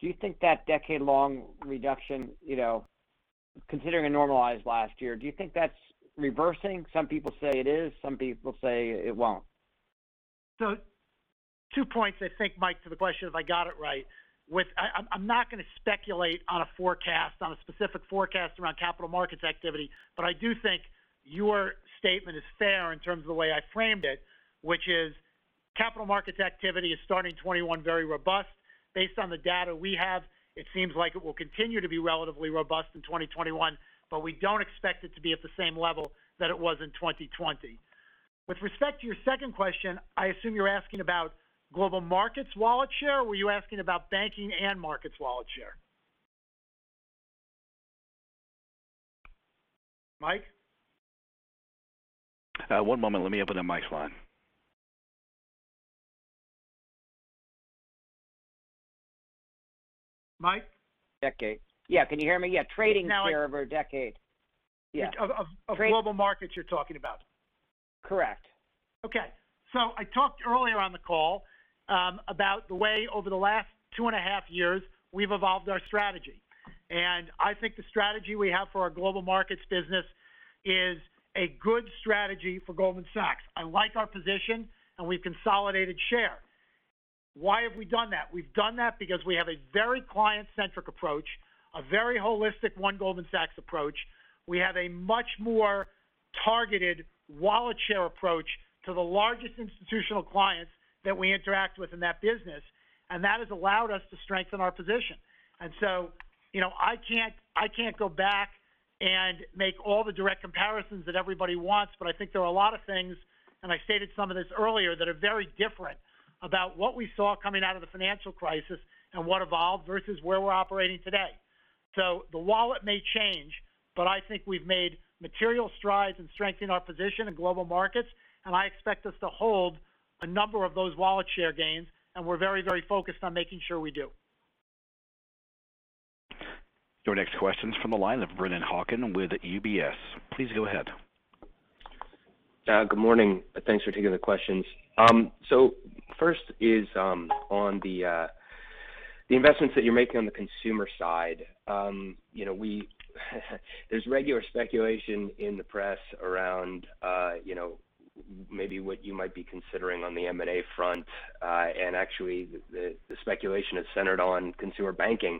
Do you think that decade-long reduction, considering a normalized last year, do you think that's reversing? Some people say it is. Some people say it won't. Two points, I think, Mike, to the question, if I got it right. I'm not going to speculate on a specific forecast around capital markets activity, but I do think your statement is fair in terms of the way I framed it, which is capital markets activity is starting 2021 very robust. Based on the data we have, it seems like it will continue to be relatively robust in 2021, but we don't expect it to be at the same level that it was in 2020. With respect to your second question, I assume you're asking about global markets wallet share, or were you asking about banking and markets wallet share? Mike? One moment. Let me open the Mike's line. Mike? Decade. Yeah, can you hear me? Yeah. Trading share over a decade. Yeah. Of global markets you're talking about. Correct. Okay. I talked earlier on the call about the way over the last two and a half years we've evolved our strategy, and I think the strategy we have for our global markets business is a good strategy for Goldman Sachs. I like our position, and we've consolidated share. Why have we done that? We've done that because we have a very client-centric approach, a very holistic One Goldman Sachs approach. We have a much more targeted wallet share approach to the largest institutional clients that we interact with in that business, and that has allowed us to strengthen our position. I can't go back and make all the direct comparisons that everybody wants, but I think there are a lot of things, and I stated some of this earlier, that are very different about what we saw coming out of the financial crisis and what evolved versus where we're operating today. The wallet may change, but I think we've made material strides in strengthening our position in global markets, and I expect us to hold a number of those wallet share gains, and we're very focused on making sure we do. Your next question's from the line of Brennan Hawken with UBS. Please go ahead. Good morning. Thanks for taking the questions. First is on the investments that you're making on the consumer side. There's regular speculation in the press around maybe what you might be considering on the M&A front. Actually, the speculation is centered on consumer banking.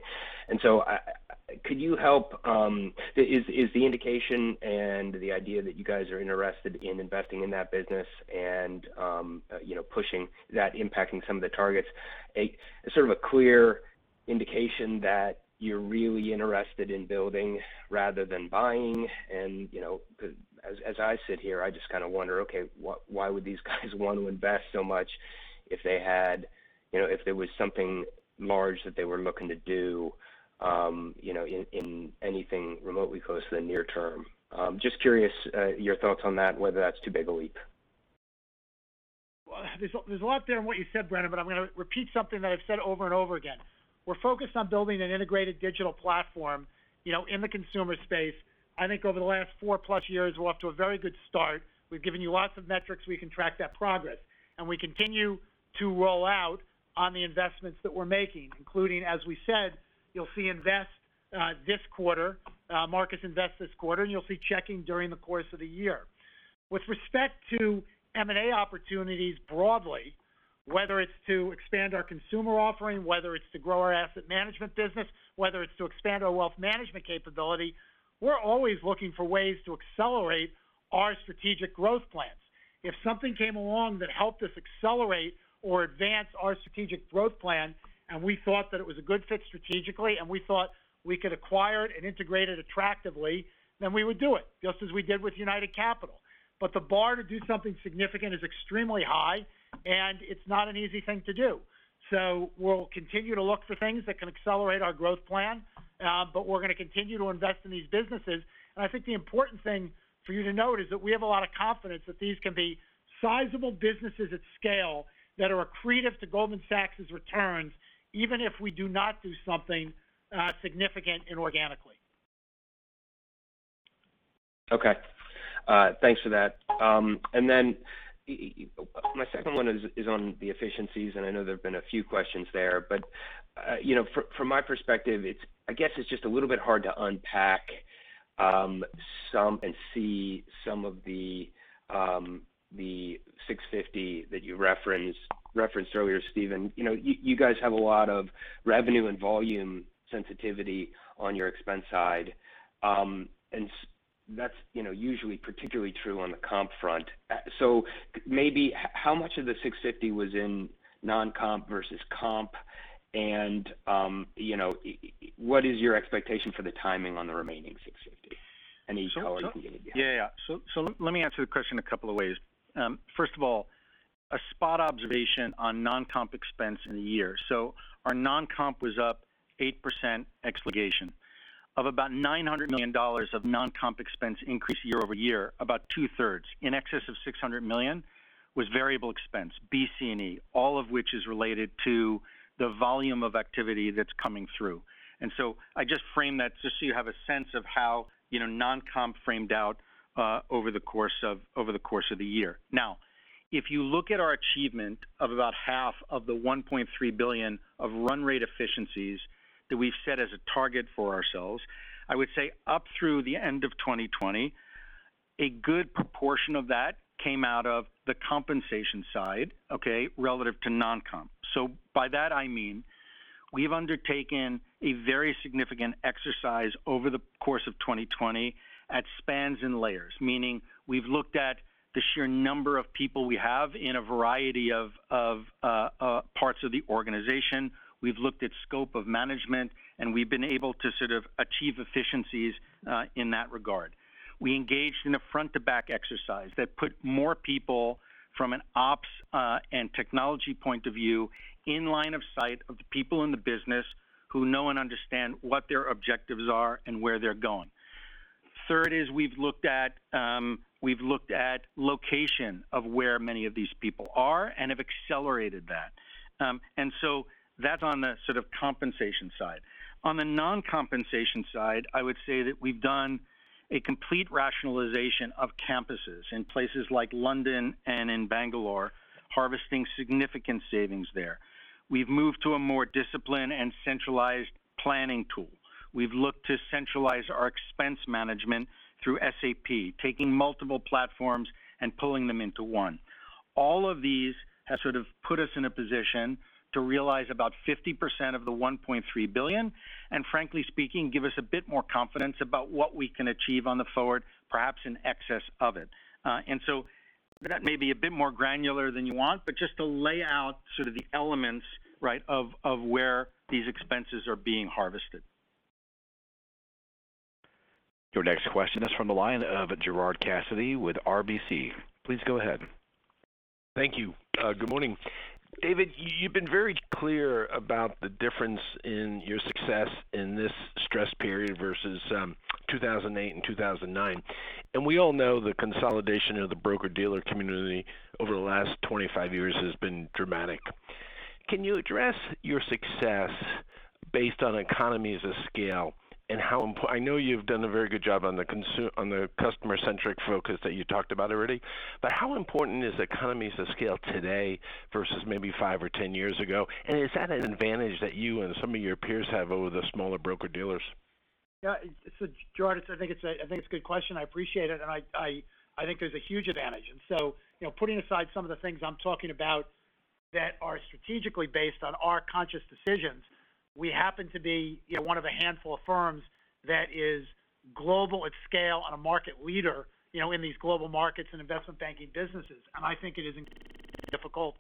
Could you help, is the indication and the idea that you guys are interested in investing in that business and pushing that impacting some of the targets a sort of a clear indication that you're really interested in building rather than buying and, as I sit here, I just kind of wonder, okay, why would these guys want to invest so much if there was something large that they were looking to do in anything remotely close to the near term? Just curious your thoughts on that and whether that's too big a leap. Well, there's a lot there in what you said, Brennan. I'm going to repeat something that I've said over and over again. We're focused on building an integrated digital platform in the consumer space. I think over the last four-plus years, we're off to a very good start. We've given you lots of metrics we can track that progress. We continue to roll out on the investments that we're making, including, as we said, you'll see Marcus Invest this quarter, and you'll see checking during the course of the year. With respect to M&A opportunities broadly, whether it's to expand our consumer offering, whether it's to grow our asset management business, whether it's to expand our wealth management capability, we're always looking for ways to accelerate our strategic growth plans. If something came along that helped us accelerate or advance our strategic growth plan and we thought that it was a good fit strategically and we thought we could acquire it and integrate it attractively, then we would do it, just as we did with United Capital. The bar to do something significant is extremely high, and it's not an easy thing to do. We'll continue to look for things that can accelerate our growth plan. We're going to continue to invest in these businesses. I think the important thing for you to note is that we have a lot of confidence that these can be sizable businesses at scale that are accretive to Goldman Sachs' returns, even if we do not do something significant inorganically. Thanks for that. My second one is on the efficiencies, and I know there have been a few questions there, but from my perspective, I guess it's just a little bit hard to unpack some and see some of the $650 million that you referenced earlier, Steven. You guys have a lot of revenue and volume sensitivity on your expense side. That's usually particularly true on the comp front. Maybe how much of the $650 million was in non-comp versus comp, and what is your expectation for the timing on the remaining $650 million. [inaudible] Yeah. Let me answer the question a couple of ways. First of all, a spot observation on non-comp expense in the year. Our non-comp was up 8% explication of about $900 million of non-comp expense increase year-over-year, about 2/3 in excess of $600 million was variable expense, BC&E, all of which is related to the volume of activity that's coming through. I just frame that just so you have a sense of how non-comp framed out over the course of the year. If you look at our achievement of about half of the $1.3 billion of run rate efficiencies that we've set as a target for ourselves, I would say up through the end of 2020, a good proportion of that came out of the compensation side, okay, relative to non-comp. By that I mean we've undertaken a very significant exercise over the course of 2020 at spans and layers, meaning we've looked at the sheer number of people we have in a variety of parts of the organization. We've looked at scope of management, and we've been able to sort of achieve efficiencies in that regard. We engaged in a front-to-back exercise that put more people from an ops and technology point of view in line of sight of the people in the business who know and understand what their objectives are and where they're going. Third is we've looked at location of where many of these people are and have accelerated that. That's on the sort of compensation side. On the non-compensation side, I would say that we've done a complete rationalization of campuses in places like London and in Bengaluru, harvesting significant savings there. We've moved to a more disciplined and centralized planning tool. We've looked to centralize our expense management through SAP, taking multiple platforms and pulling them into one. All of these have sort of put us in a position to realize about 50% of the $1.3 billion, and frankly speaking, give us a bit more confidence about what we can achieve on the forward, perhaps in excess of it. That may be a bit more granular than you want, but just to lay out sort of the elements of where these expenses are being harvested. Your next question is from the line of Gerard Cassidy with RBC. Please go ahead. Thank you. Good morning. David, you've been very clear about the difference in your success in this stress period versus 2008 and 2009. We all know the consolidation of the broker-dealer community over the last 25 years has been dramatic. Can you address your success based on economies of scale and I know you've done a very good job on the customer-centric focus that you talked about already, but how important is economies of scale today versus maybe five years or 10 years ago? And is that an advantage that you and some of your peers have over the smaller broker-dealers? Yeah. Gerard, I think it's a good question. I appreciate it. I think there's a huge advantage. Putting aside some of the things I'm talking about that are strategically based on our conscious decisions, we happen to be one of a handful of firms that is global at scale and a market leader in these global markets and investment banking businesses. I think it is incredibly difficult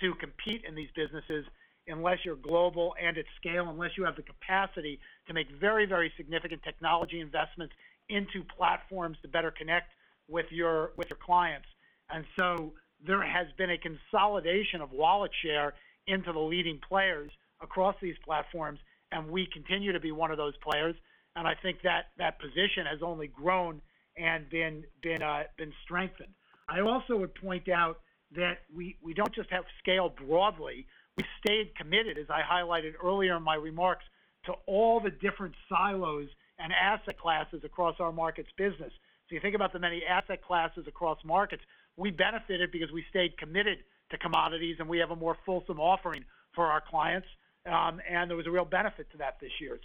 to compete in these businesses unless you're global and at scale, unless you have the capacity to make very significant technology investments into platforms to better connect with your clients. There has been a consolidation of wallet share into the leading players across these platforms, and we continue to be one of those players. I think that position has only grown and been strengthened. I also would point out that we don't just have scale broadly. We've stayed committed, as I highlighted earlier in my remarks, to all the different silos and asset classes across our markets business. You think about the many asset classes across markets. We benefited because we stayed committed to commodities, and we have a more fulsome offering for our clients. There was a real benefit to that this year.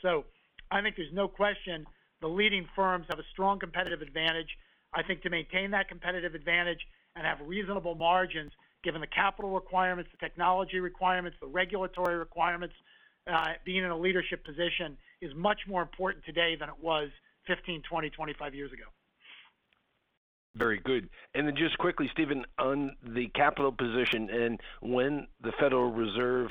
I think there's no question the leading firms have a strong competitive advantage. I think to maintain that competitive advantage and have reasonable margins, given the capital requirements, the technology requirements, the regulatory requirements, being in a leadership position is much more important today than it was 15 years, 20 years, 25 years ago. Very good. Just quickly, Steven, on the capital position and when the Federal Reserve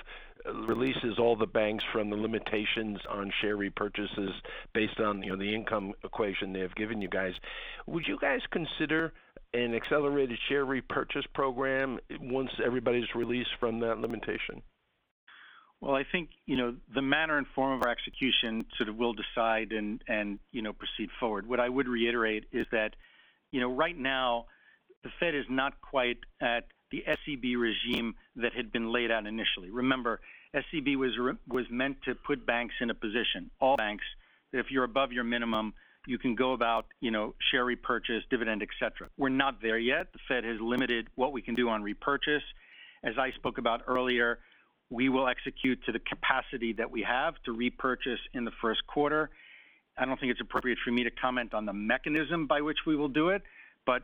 releases all the banks from the limitations on share repurchases based on the income equation they have given you guys, would you guys consider an accelerated share repurchase program once everybody's released from that limitation? I think the manner and form of our execution sort of will decide and proceed forward. What I would reiterate is that right now the Fed is not quite at the SCB regime that had been laid out initially. Remember, SCB was meant to put banks in a position, all banks, that if you're above your minimum, you can go about share repurchase, dividend, et cetera. We're not there yet. The Fed has limited what we can do on repurchase. As I spoke about earlier, we will execute to the capacity that we have to repurchase in the first quarter. I don't think it's appropriate for me to comment on the mechanism by which we will do it, but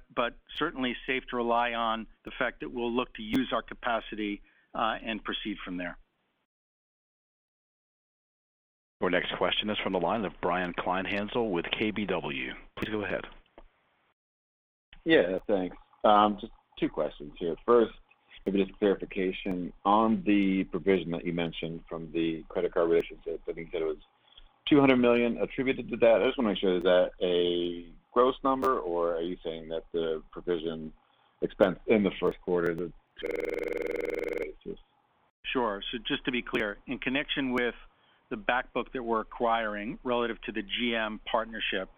certainly safe to rely on the fact that we'll look to use our capacity and proceed from there. Our next question is from the line of Brian Kleinhanzl with KBW. Please go ahead. Yeah, thanks. Just two questions here. First, maybe just a clarification on the provision that you mentioned from the credit card relationships. I think that it was $200 million attributed to that. I just want to make sure, is that a gross number, or are you saying that the provision expense in the first quarter that- Sure. Just to be clear, in connection with the backbook that we're acquiring relative to the GM partnership,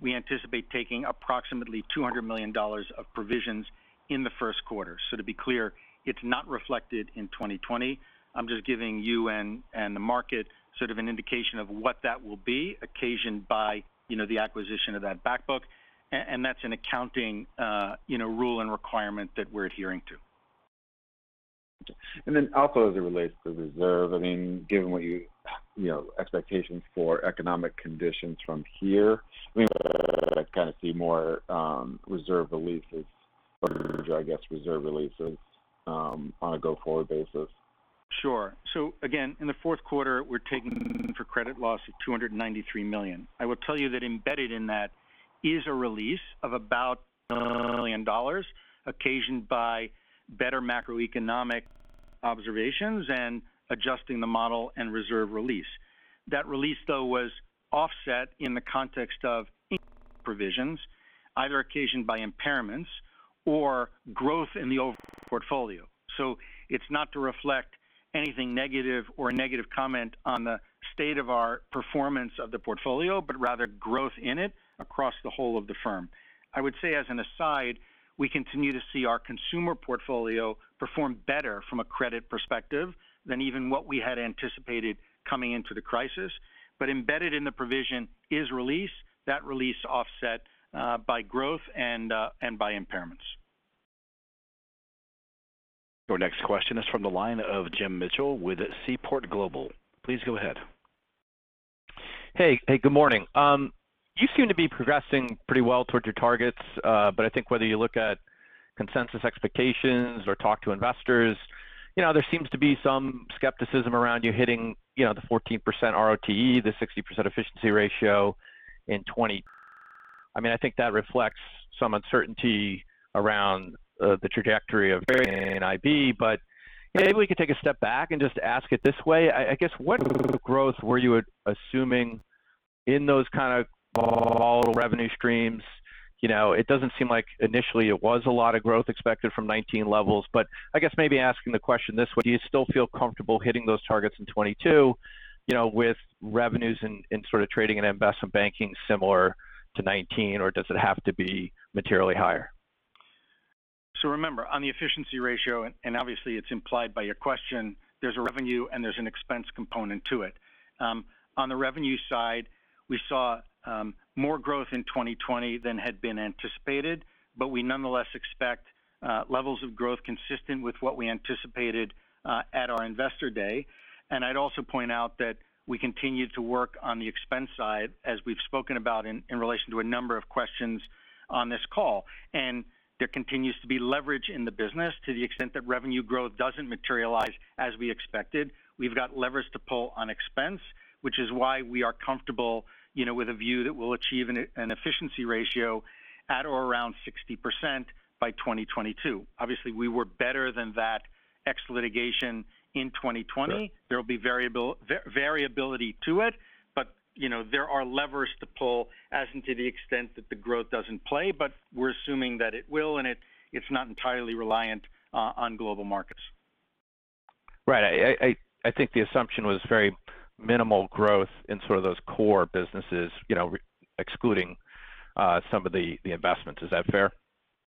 we anticipate taking approximately $200 million of provisions in the first quarter. To be clear, it's not reflected in 2020. I'm just giving you and the market an indication of what that will be occasioned by the acquisition of that backbook. That's an accounting rule and requirement that we're adhering to. Also as it relates to reserve, given expectations for economic conditions from here, I see more reserve releases on a go-forward basis. Sure. Again, in the fourth quarter, we're taking for credit loss of $293 million. I will tell you that embedded in that is a release of about $1 million occasioned by better macroeconomic observations and adjusting the model and reserve release. That release, though, was offset in the context of provisions, either occasioned by impairments or growth in the overall portfolio. It's not to reflect anything negative or a negative comment on the state of our performance of the portfolio, but rather growth in it across the whole of the firm. I would say as an aside, we continue to see our consumer portfolio perform better from a credit perspective than even what we had anticipated coming into the crisis. Embedded in the provision is release, that release offset by growth and by impairments. Your next question is from the line of Jim Mitchell with Seaport Global. Please go ahead. Hey. Good morning. You seem to be progressing pretty well towards your targets. I think whether you look at consensus expectations or talk to investors, there seems to be some skepticism around you hitting the 14% ROTE, the 60% efficiency ratio in 20%. I think that reflects some uncertainty around the trajectory of IB. Maybe we could take a step back and just ask it this way. I guess what growth were you assuming in those kind of overall revenue streams? It doesn't seem like initially it was a lot of growth expected from 2019 levels, but I guess maybe asking the question this way, do you still feel comfortable hitting those targets in 2022, with revenues in sort of trading and investment banking similar to 2019? Does it have to be materially higher? Remember, on the efficiency ratio, and obviously it's implied by your question, there's a revenue and there's an expense component to it. On the revenue side, we saw more growth in 2020 than had been anticipated, but we nonetheless expect levels of growth consistent with what we anticipated at our Investor Day. I'd also point out that we continue to work on the expense side, as we've spoken about in relation to a number of questions on this call. There continues to be leverage in the business to the extent that revenue growth doesn't materialize as we expected. We've got levers to pull on expense, which is why we are comfortable with a view that we'll achieve an efficiency ratio at or around 60% by 2022. Obviously, we were better than that ex-litigation in 2020. There'll be variability to it, but there are levers to pull as into the extent that the growth doesn't play, but we're assuming that it will, and it's not entirely reliant on global markets. Right. I think the assumption was very minimal growth in sort of those core businesses excluding some of the investments. Is that fair?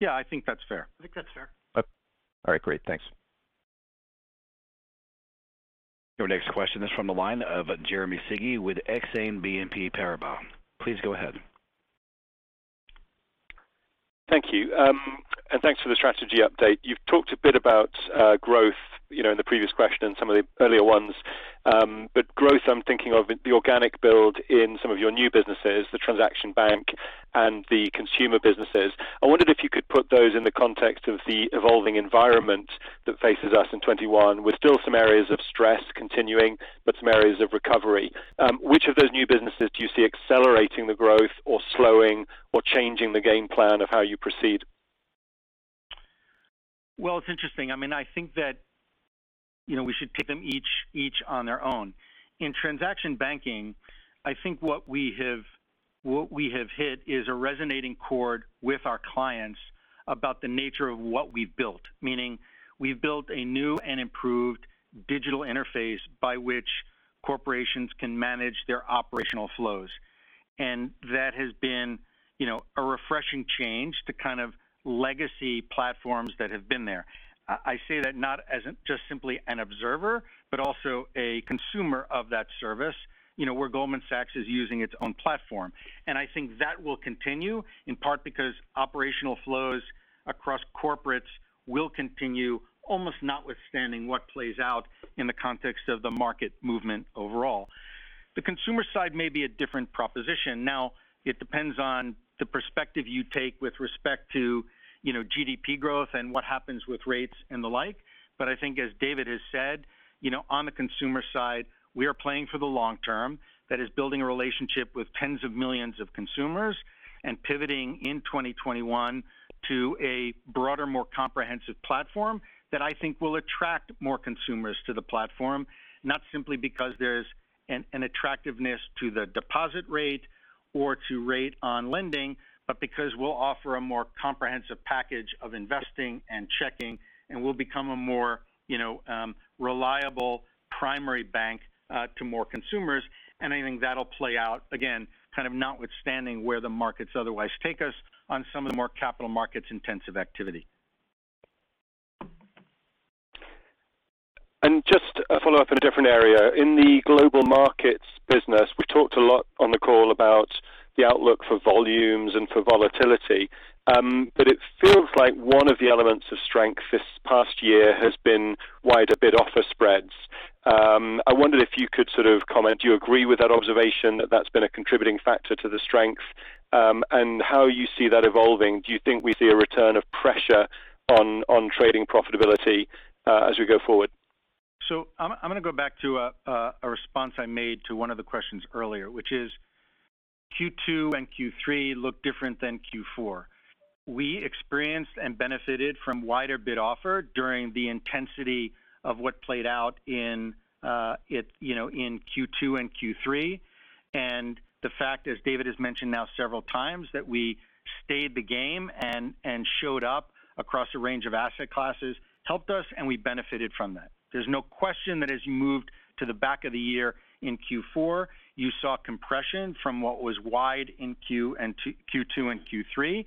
Yeah, I think that's fair. I think that's fair. Okay. All right, great. Thanks. Your next question is from the line of Jeremy Sigee with Exane BNP Paribas. Please go ahead. Thank you. Thanks for the strategy update. You've talked a bit about growth in the previous question and some of the earlier ones. Growth, I'm thinking of the organic build in some of your new businesses, the transaction bank and the consumer businesses. I wondered if you could put those in the context of the evolving environment that faces us in 2021, with still some areas of stress continuing, but some areas of recovery. Which of those new businesses do you see accelerating the growth or slowing or changing the game plan of how you proceed? Well, it's interesting. I think that we should take them each on their own. In transaction banking, I think what we have hit is a resonating chord with our clients about the nature of what we've built, meaning we've built a new and improved digital interface by which corporations can manage their operational flows. That has been a refreshing change to kind of legacy platforms that have been there. I say that not as just simply an observer, but also a consumer of that service where Goldman Sachs is using its own platform. I think that will continue, in part because operational flows across corporates will continue almost notwithstanding what plays out in the context of the market movement overall. The consumer side may be a different proposition. It depends on the perspective you take with respect to GDP growth and what happens with rates and the like. I think as David has said, on the consumer side, we are playing for the long term, that is building a relationship with tens of millions of consumers and pivoting in 2021 to a broader, more comprehensive platform that I think will attract more consumers to the platform, not simply because there's an attractiveness to the deposit rate or to rate on lending, but because we'll offer a more comprehensive package of investing and checking, and we'll become a more reliable primary bank to more consumers. I think that'll play out, again, kind of notwithstanding where the markets otherwise take us on some of the more capital markets intensive activity. Just a follow-up in a different area. In the Global Markets business, we talked a lot on the call about the outlook for volumes and for volatility. It feels like one of the elements of strength this past year has been wider bid-offer spreads. I wondered if you could sort of comment, do you agree with that observation, that's been a contributing factor to the strength? How you see that evolving? Do you think we see a return of pressure on trading profitability as we go forward? I'm going to go back to a response I made to one of the questions earlier, which is Q2 and Q3 look different than Q4. We experienced and benefited from wider bid-offer during the intensity of what played out in Q2 and Q3, and the fact, as David has mentioned now several times, that we stayed the game and showed up across a range of asset classes helped us. We benefited from that. There's no question that as you moved to the back of the year in Q4, you saw compression from what was wide in Q2 and Q3.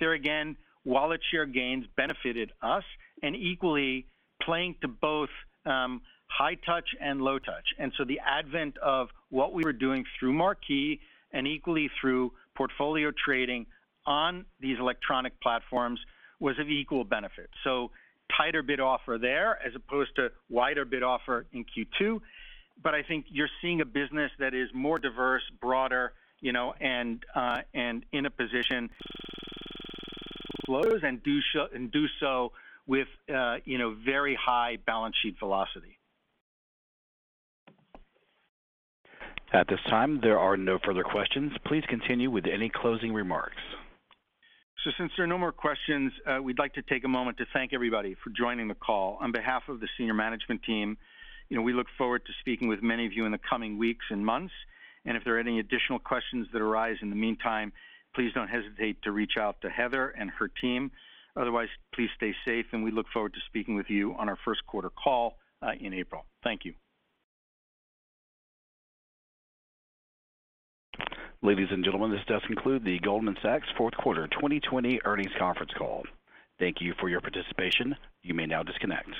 There again, wallet share gains benefited us and equally playing to both high-touch and low-touch. The advent of what we were doing through Marquee and equally through portfolio trading on these electronic platforms was of equal benefit. Tighter bid offer there as opposed to wider bid offer in Q2. I think you're seeing a business that is more diverse, broader, and in a position to do those and do so with very high balance sheet velocity. At this time, there are no further questions. Please continue with any closing remarks. Since there are no more questions, we'd like to take a moment to thank everybody for joining the call. On behalf of the senior management team, we look forward to speaking with many of you in the coming weeks and months. If there are any additional questions that arise in the meantime, please don't hesitate to reach out to Heather and her team. Otherwise, please stay safe, and we look forward to speaking with you on our first quarter call in April. Thank you. Ladies and gentlemen, this does conclude The Goldman Sachs fourth quarter 2020 earnings conference call. Thank you for your participation. You may now disconnect.